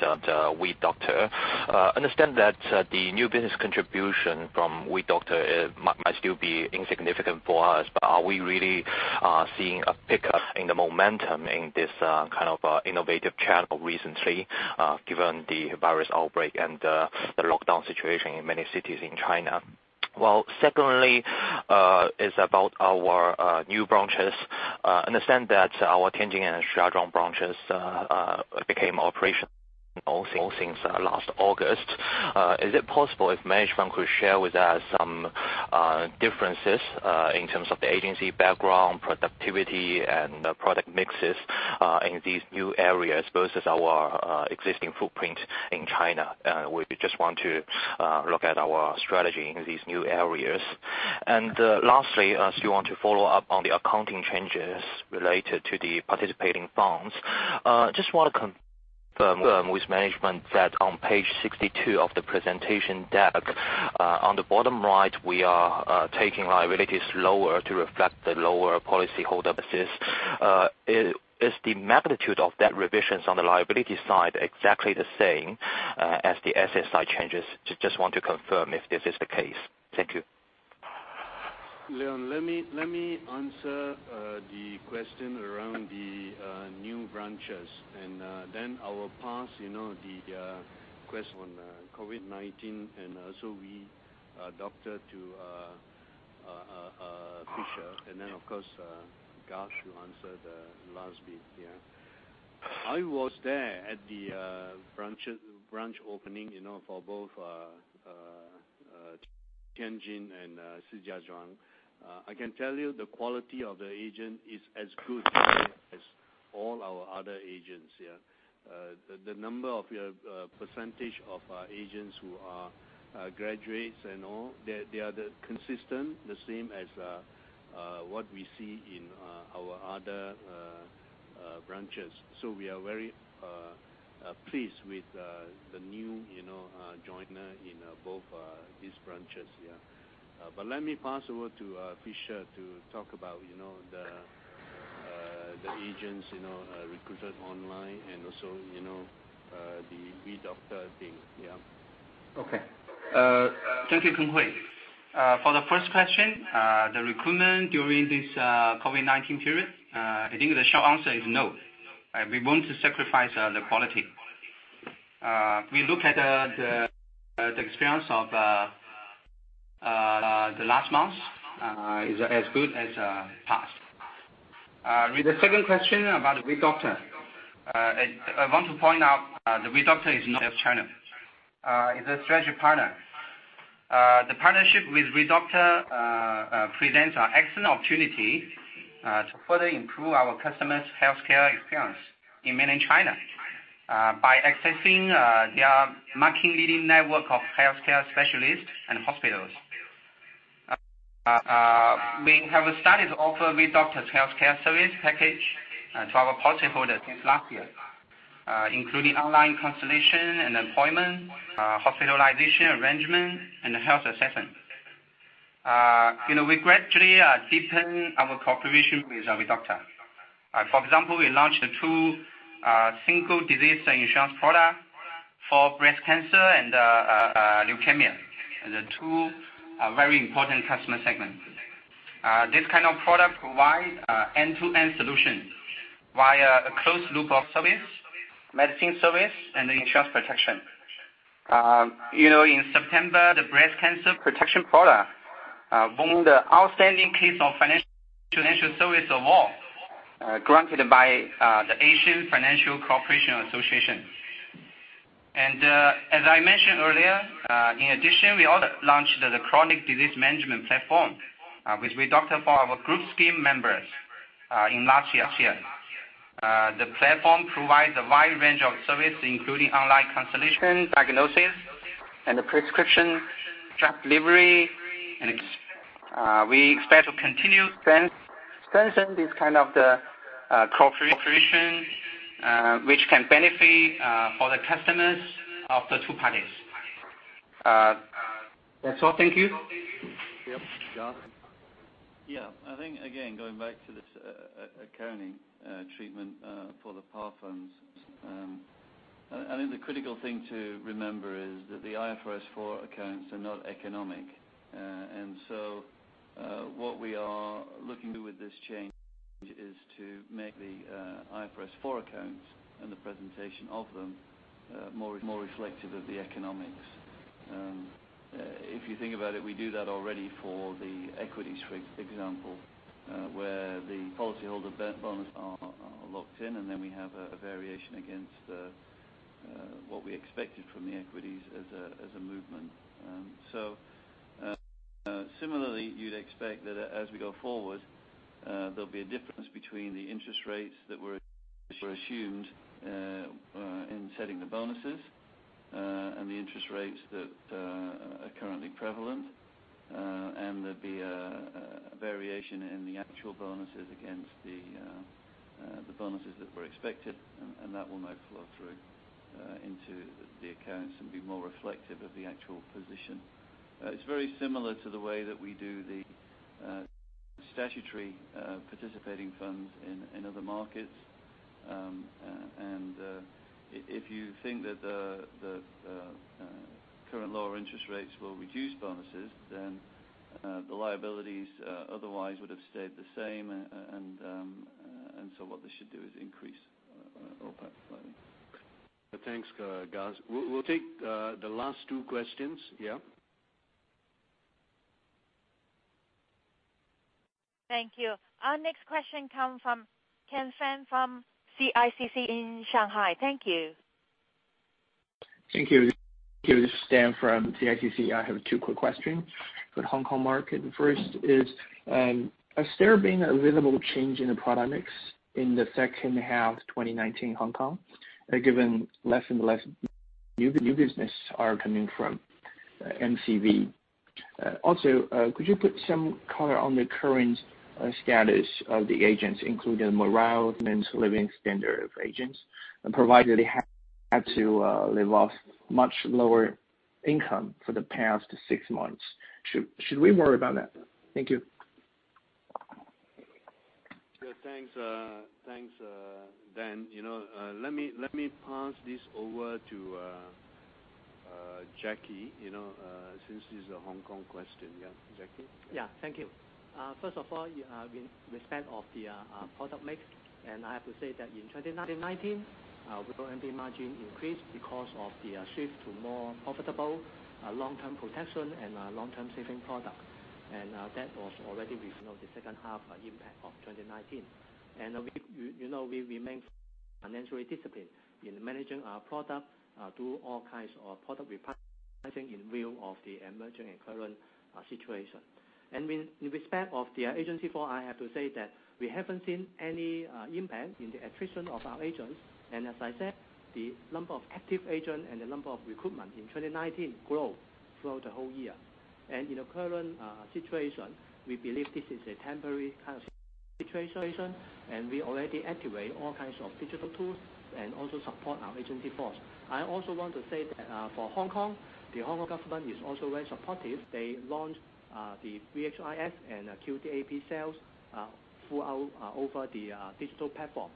that WeDoctor. I understand that the new business contribution from WeDoctor might still be insignificant for us, are we really seeing a pickup in the momentum in this kind of innovative channel recently, given the virus outbreak and the lockdown situation in many cities in China? Well, secondly, is about our new branches. Understand that our Tianjin and Shijiazhuang branches became operational since last August. Is it possible if management could share with us some differences in terms of the agency background, productivity, and product mixes in these new areas versus our existing footprint in China? We just want to look at our strategy in these new areas. Lastly, still want to follow up on the accounting changes related to the participating bonds. Just want to confirm with management that on page 62 of the presentation deck, on the bottom right, we are taking liabilities lower to reflect the lower policyholder basis. Is the magnitude of that revisions on the liability side exactly the same as the asset side changes? Just want to confirm if this is the case. Thank you. Leon, let me answer the question around the new branches. I will pass the question on COVID-19 and also WeDoctor to Fisher. Of course, Garth, you answer the last bit. I was there at the branch opening for both Tianjin and Shijiazhuang. I can tell you the quality of the agent is as good as all our other agents here. The number of percentage of agents who are graduates and all, they are consistent, the same as what we see in our other branches. We are very pleased with the new joiner in both these branches. Let me pass over to Fisher to talk about the agents recruited online and also the WeDoctor thing. Okay. Thank you, Keng Hooi. For the first question, the recruitment during this COVID-19 period, I think the short answer is no. We won't sacrifice the quality. We look at the experience of the last month, is as good as past. With the second question about the WeDoctor. I want to point out the WeDoctor is not a channel. It's a strategic partner. The partnership with WeDoctor presents an excellent opportunity to further improve our customers' healthcare experience in Mainland China by accessing their market-leading network of healthcare specialists and hospitals. We have started to offer WeDoctor's healthcare service package to our policyholders since last year, including online consultation and appointment, hospitalization arrangement, and health assessment. We gradually deepen our cooperation with WeDoctor. For example, we launched two single disease insurance product for breast cancer and leukemia. The two very important customer segment. This kind of product provide end-to-end solution via a closed loop of service, medicine service, and insurance protection. In September, the breast cancer protection product won the outstanding case of financial service award, granted by the Asian Financial Cooperation Association. As I mentioned earlier, in addition, we also launched the chronic disease management platform with WeDoctor for our Group scheme members in last year. The platform provides a wide range of services, including online consultation, diagnosis, and prescription drug delivery. We expect to continue extending this kind of cooperation, which can benefit all the customers of the two parties. That's all. Thank you. Yep. Garth? I think, again, going back to this accounting treatment for the par funds. I think the critical thing to remember is that the IFRS 4 accounts are not economic. What we are looking to do with this change is to make the IFRS 4 accounts and the presentation of them more reflective of the economics. If you think about it, we do that already for the equities, for example, where the policyholder bonuses are locked in, and then we have a variation against what we expected from the equities as a movement. Similarly, you'd expect that as we go forward, there'll be a difference between the interest rates that were assumed in setting the bonuses, and the interest rates that are currently prevalent. There'd be a variation in the actual bonuses against the bonuses that were expected. That will now flow through into the accounts and be more reflective of the actual position. It's very similar to the way that we do the statutory participating funds in Other Markets. If you think that the current lower interest rates will reduce bonuses, then the liabilities otherwise would have stayed the same. What they should do is increase all that slightly. Thanks, Garth. We'll take the last two questions. Thank you. Our next question come from Ken Fan from CICC in Shanghai. Thank you. Thank you. This is Dan from CICC. I have two quick questions for the Hong Kong market. First is, has there been a visible change in the product mix in the second half 2019 Hong Kong, given less and less new business are coming from MCV? Could you put some color on the current status of the agents, including morale and living standard of agents, provided they have to live off much lower income for the past six months? Should we worry about that? Thank you. Yeah. Thanks, Dan. Let me pass this over to Jacky, since this is a Hong Kong question. Yeah. Jacky? Thank you. First of all, with respect of the product mix, I have to say that in 2019, our overall margin increased because of the shift to more profitable long-term protection and long-term saving product. That was already with the second half impact of 2019. We remain financially disciplined in managing our product through all kinds of product repricing in view of the emerging and current situation. With respect of the agency force, I have to say that we haven't seen any impact in the attrition of our agents. As I said, the number of active agent and the number of recruitment in 2019 grow throughout the whole year. In the current situation, we believe this is a temporary kind of situation. We already activate all kinds of digital tools and also support our agency force. I also want to say that for Hong Kong, the Hong Kong government is also very supportive. They launched the VHIS and QDAP sales over the digital platform.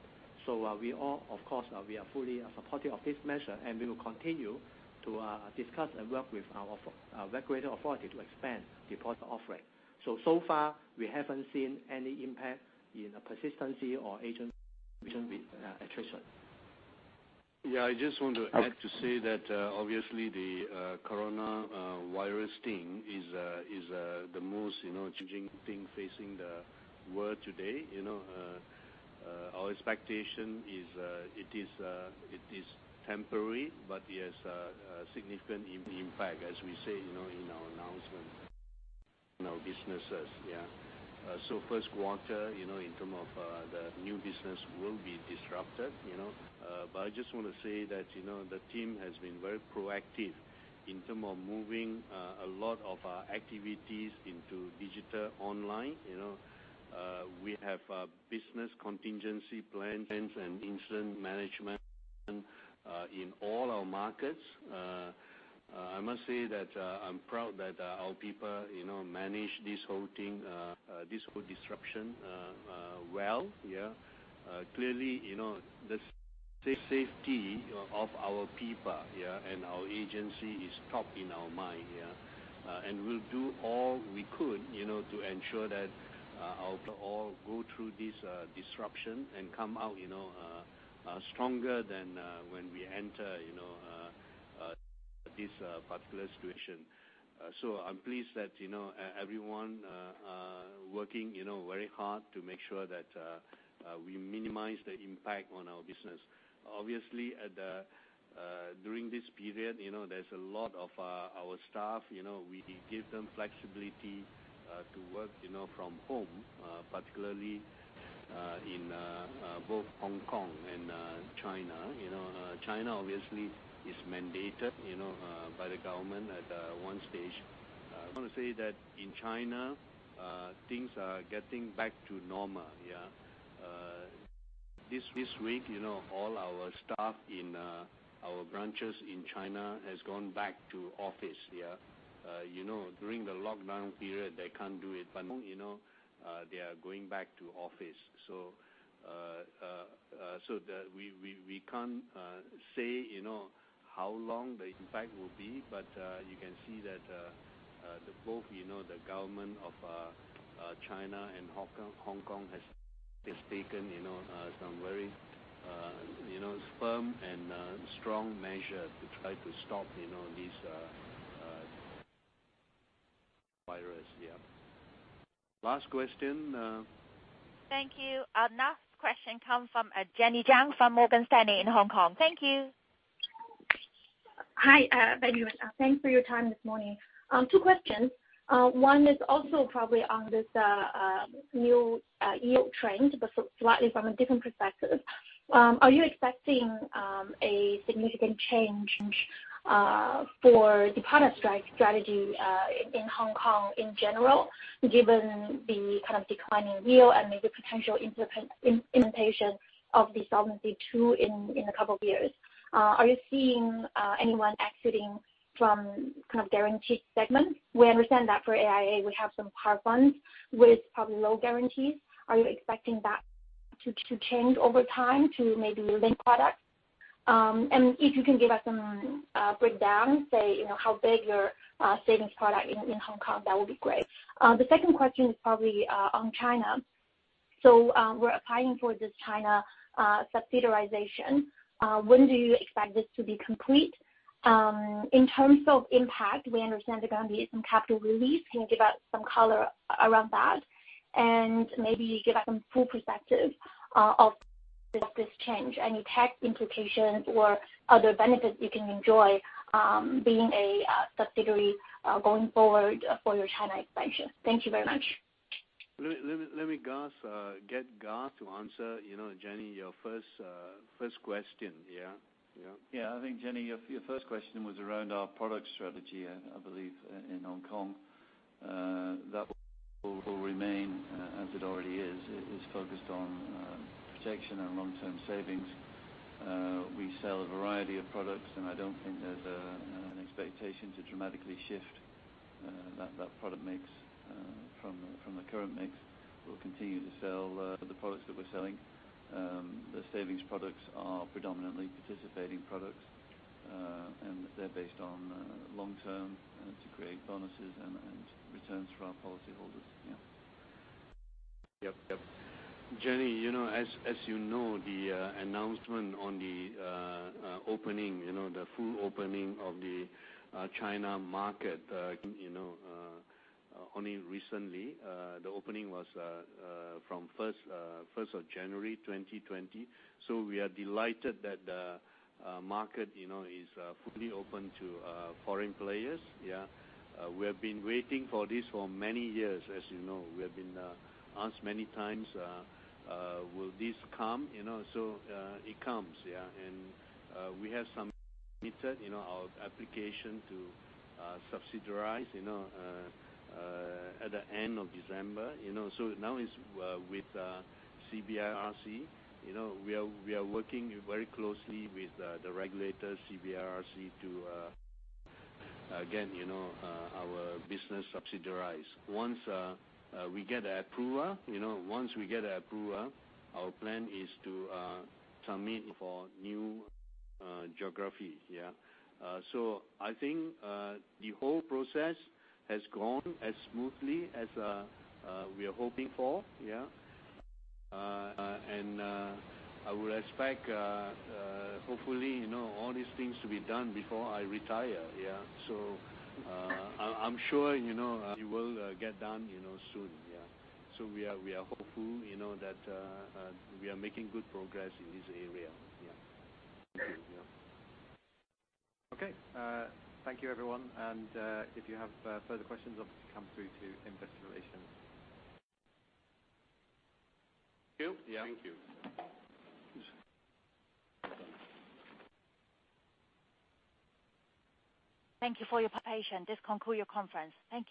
We are, of course, fully supportive of this measure, and we will continue to discuss and work with our regulatory authority to expand the product offering. So far, we haven't seen any impact in persistency or agent attrition. I just want to add to say that, obviously the coronavirus thing is the most changing thing facing the world today. Our expectation is, it is temporary, but it has a significant impact, as we say in our announcement, in our businesses. First quarter, in term of the new business will be disrupted. I just want to say that the team has been very proactive in term of moving a lot of our activities into digital online. We have a business contingency plans and incident management in all our markets. I must say that I'm proud that our people managed this whole thing, this whole disruption well. Clearly, the safety of our people and our agency is top in our mind. We'll do all we could to ensure that our people all go through this disruption and come out stronger than when we enter this particular situation. I'm pleased that everyone working very hard to make sure that we minimize the impact our business. Obviously, during this period, there's a lot of our staff. We give them flexibility to work from home, particularly in both Hong Kong and China. China obviously is mandated by the government at one stage. I want to say that in China, things are getting back to normal. This week, all our staff in our branches in China has gone back to office. During the lockdown period, they can't do it, but now they are going back to office. We can't say how long the impact will be, but you can see that both the government of China and Hong Kong has taken some very firm and strong measure to try to stop this virus. Yeah. Last question. Thank you. Next question come from Jenny Jiang from Morgan Stanley in Hong Kong. Thank you. Hi, management. Thanks for your time this morning. Two questions. One is also probably on this new yield trend, but slightly from a different perspective. Are you expecting a significant change for the product strategy in Hong Kong in general, given the kind of declining yield and maybe potential implementation of the Solvency II in a couple of years? Are you seeing anyone exiting from kind of guaranteed segments? We understand that for AIA, we have some par funds with probably no guarantees. Are you expecting that to change over time to maybe linked products? If you can give us some breakdown, say, how big your savings product in Hong Kong, that would be great. The second question is probably on China. We're applying for this China subsidiarization. When do you expect this to be complete? In terms of impact, we understand there's going to be some capital release. Can you give us some color around that? Maybe give us some full perspective of this change. Any tax implications or other benefits you can enjoy being a subsidiary going forward for your China expansion. Thank you very much. Let me get Garth to answer, Jenny, your first question. Yeah. Yeah. I think, Jenny, your first question was around our product strategy, I believe, in Hong Kong. That will remain as it already is. It is focused on protection and long-term savings. We sell a variety of products, and I don't think there's an expectation to dramatically shift that product mix from the current mix. We'll continue to sell the products that we're selling. The savings products are predominantly participating products, and they're based on long-term to create bonuses and returns for our policyholders. Yeah. Yep. Jenny, as you know, the announcement on the full opening of the China market only recently. The opening was from 1st of January 2020. We are delighted that the market is fully open to foreign players. Yeah. We have been waiting for this for many years, as you know. We have been asked many times, will this come? It comes, yeah. We have submitted our application to subsidiarize at the end of December. Now it's with CBIRC. We are working very closely with the regulator, CBIRC, to again, our business subsidiarize. Once we get approval, our plan is to submit for new geography. Yeah. I think, the whole process has gone as smoothly as we are hoping for, yeah. I would expect, hopefully, all these things to be done before I retire, yeah. I'm sure it will get done soon. Yeah. We are hopeful that we are making good progress in this area. Yeah. Thank you. Okay. Thank you everyone, and if you have further questions, obviously come through to Investor Relations. Thank you. Yeah. Thank you. Thank you for your patience. This conclude your conference. Thank you.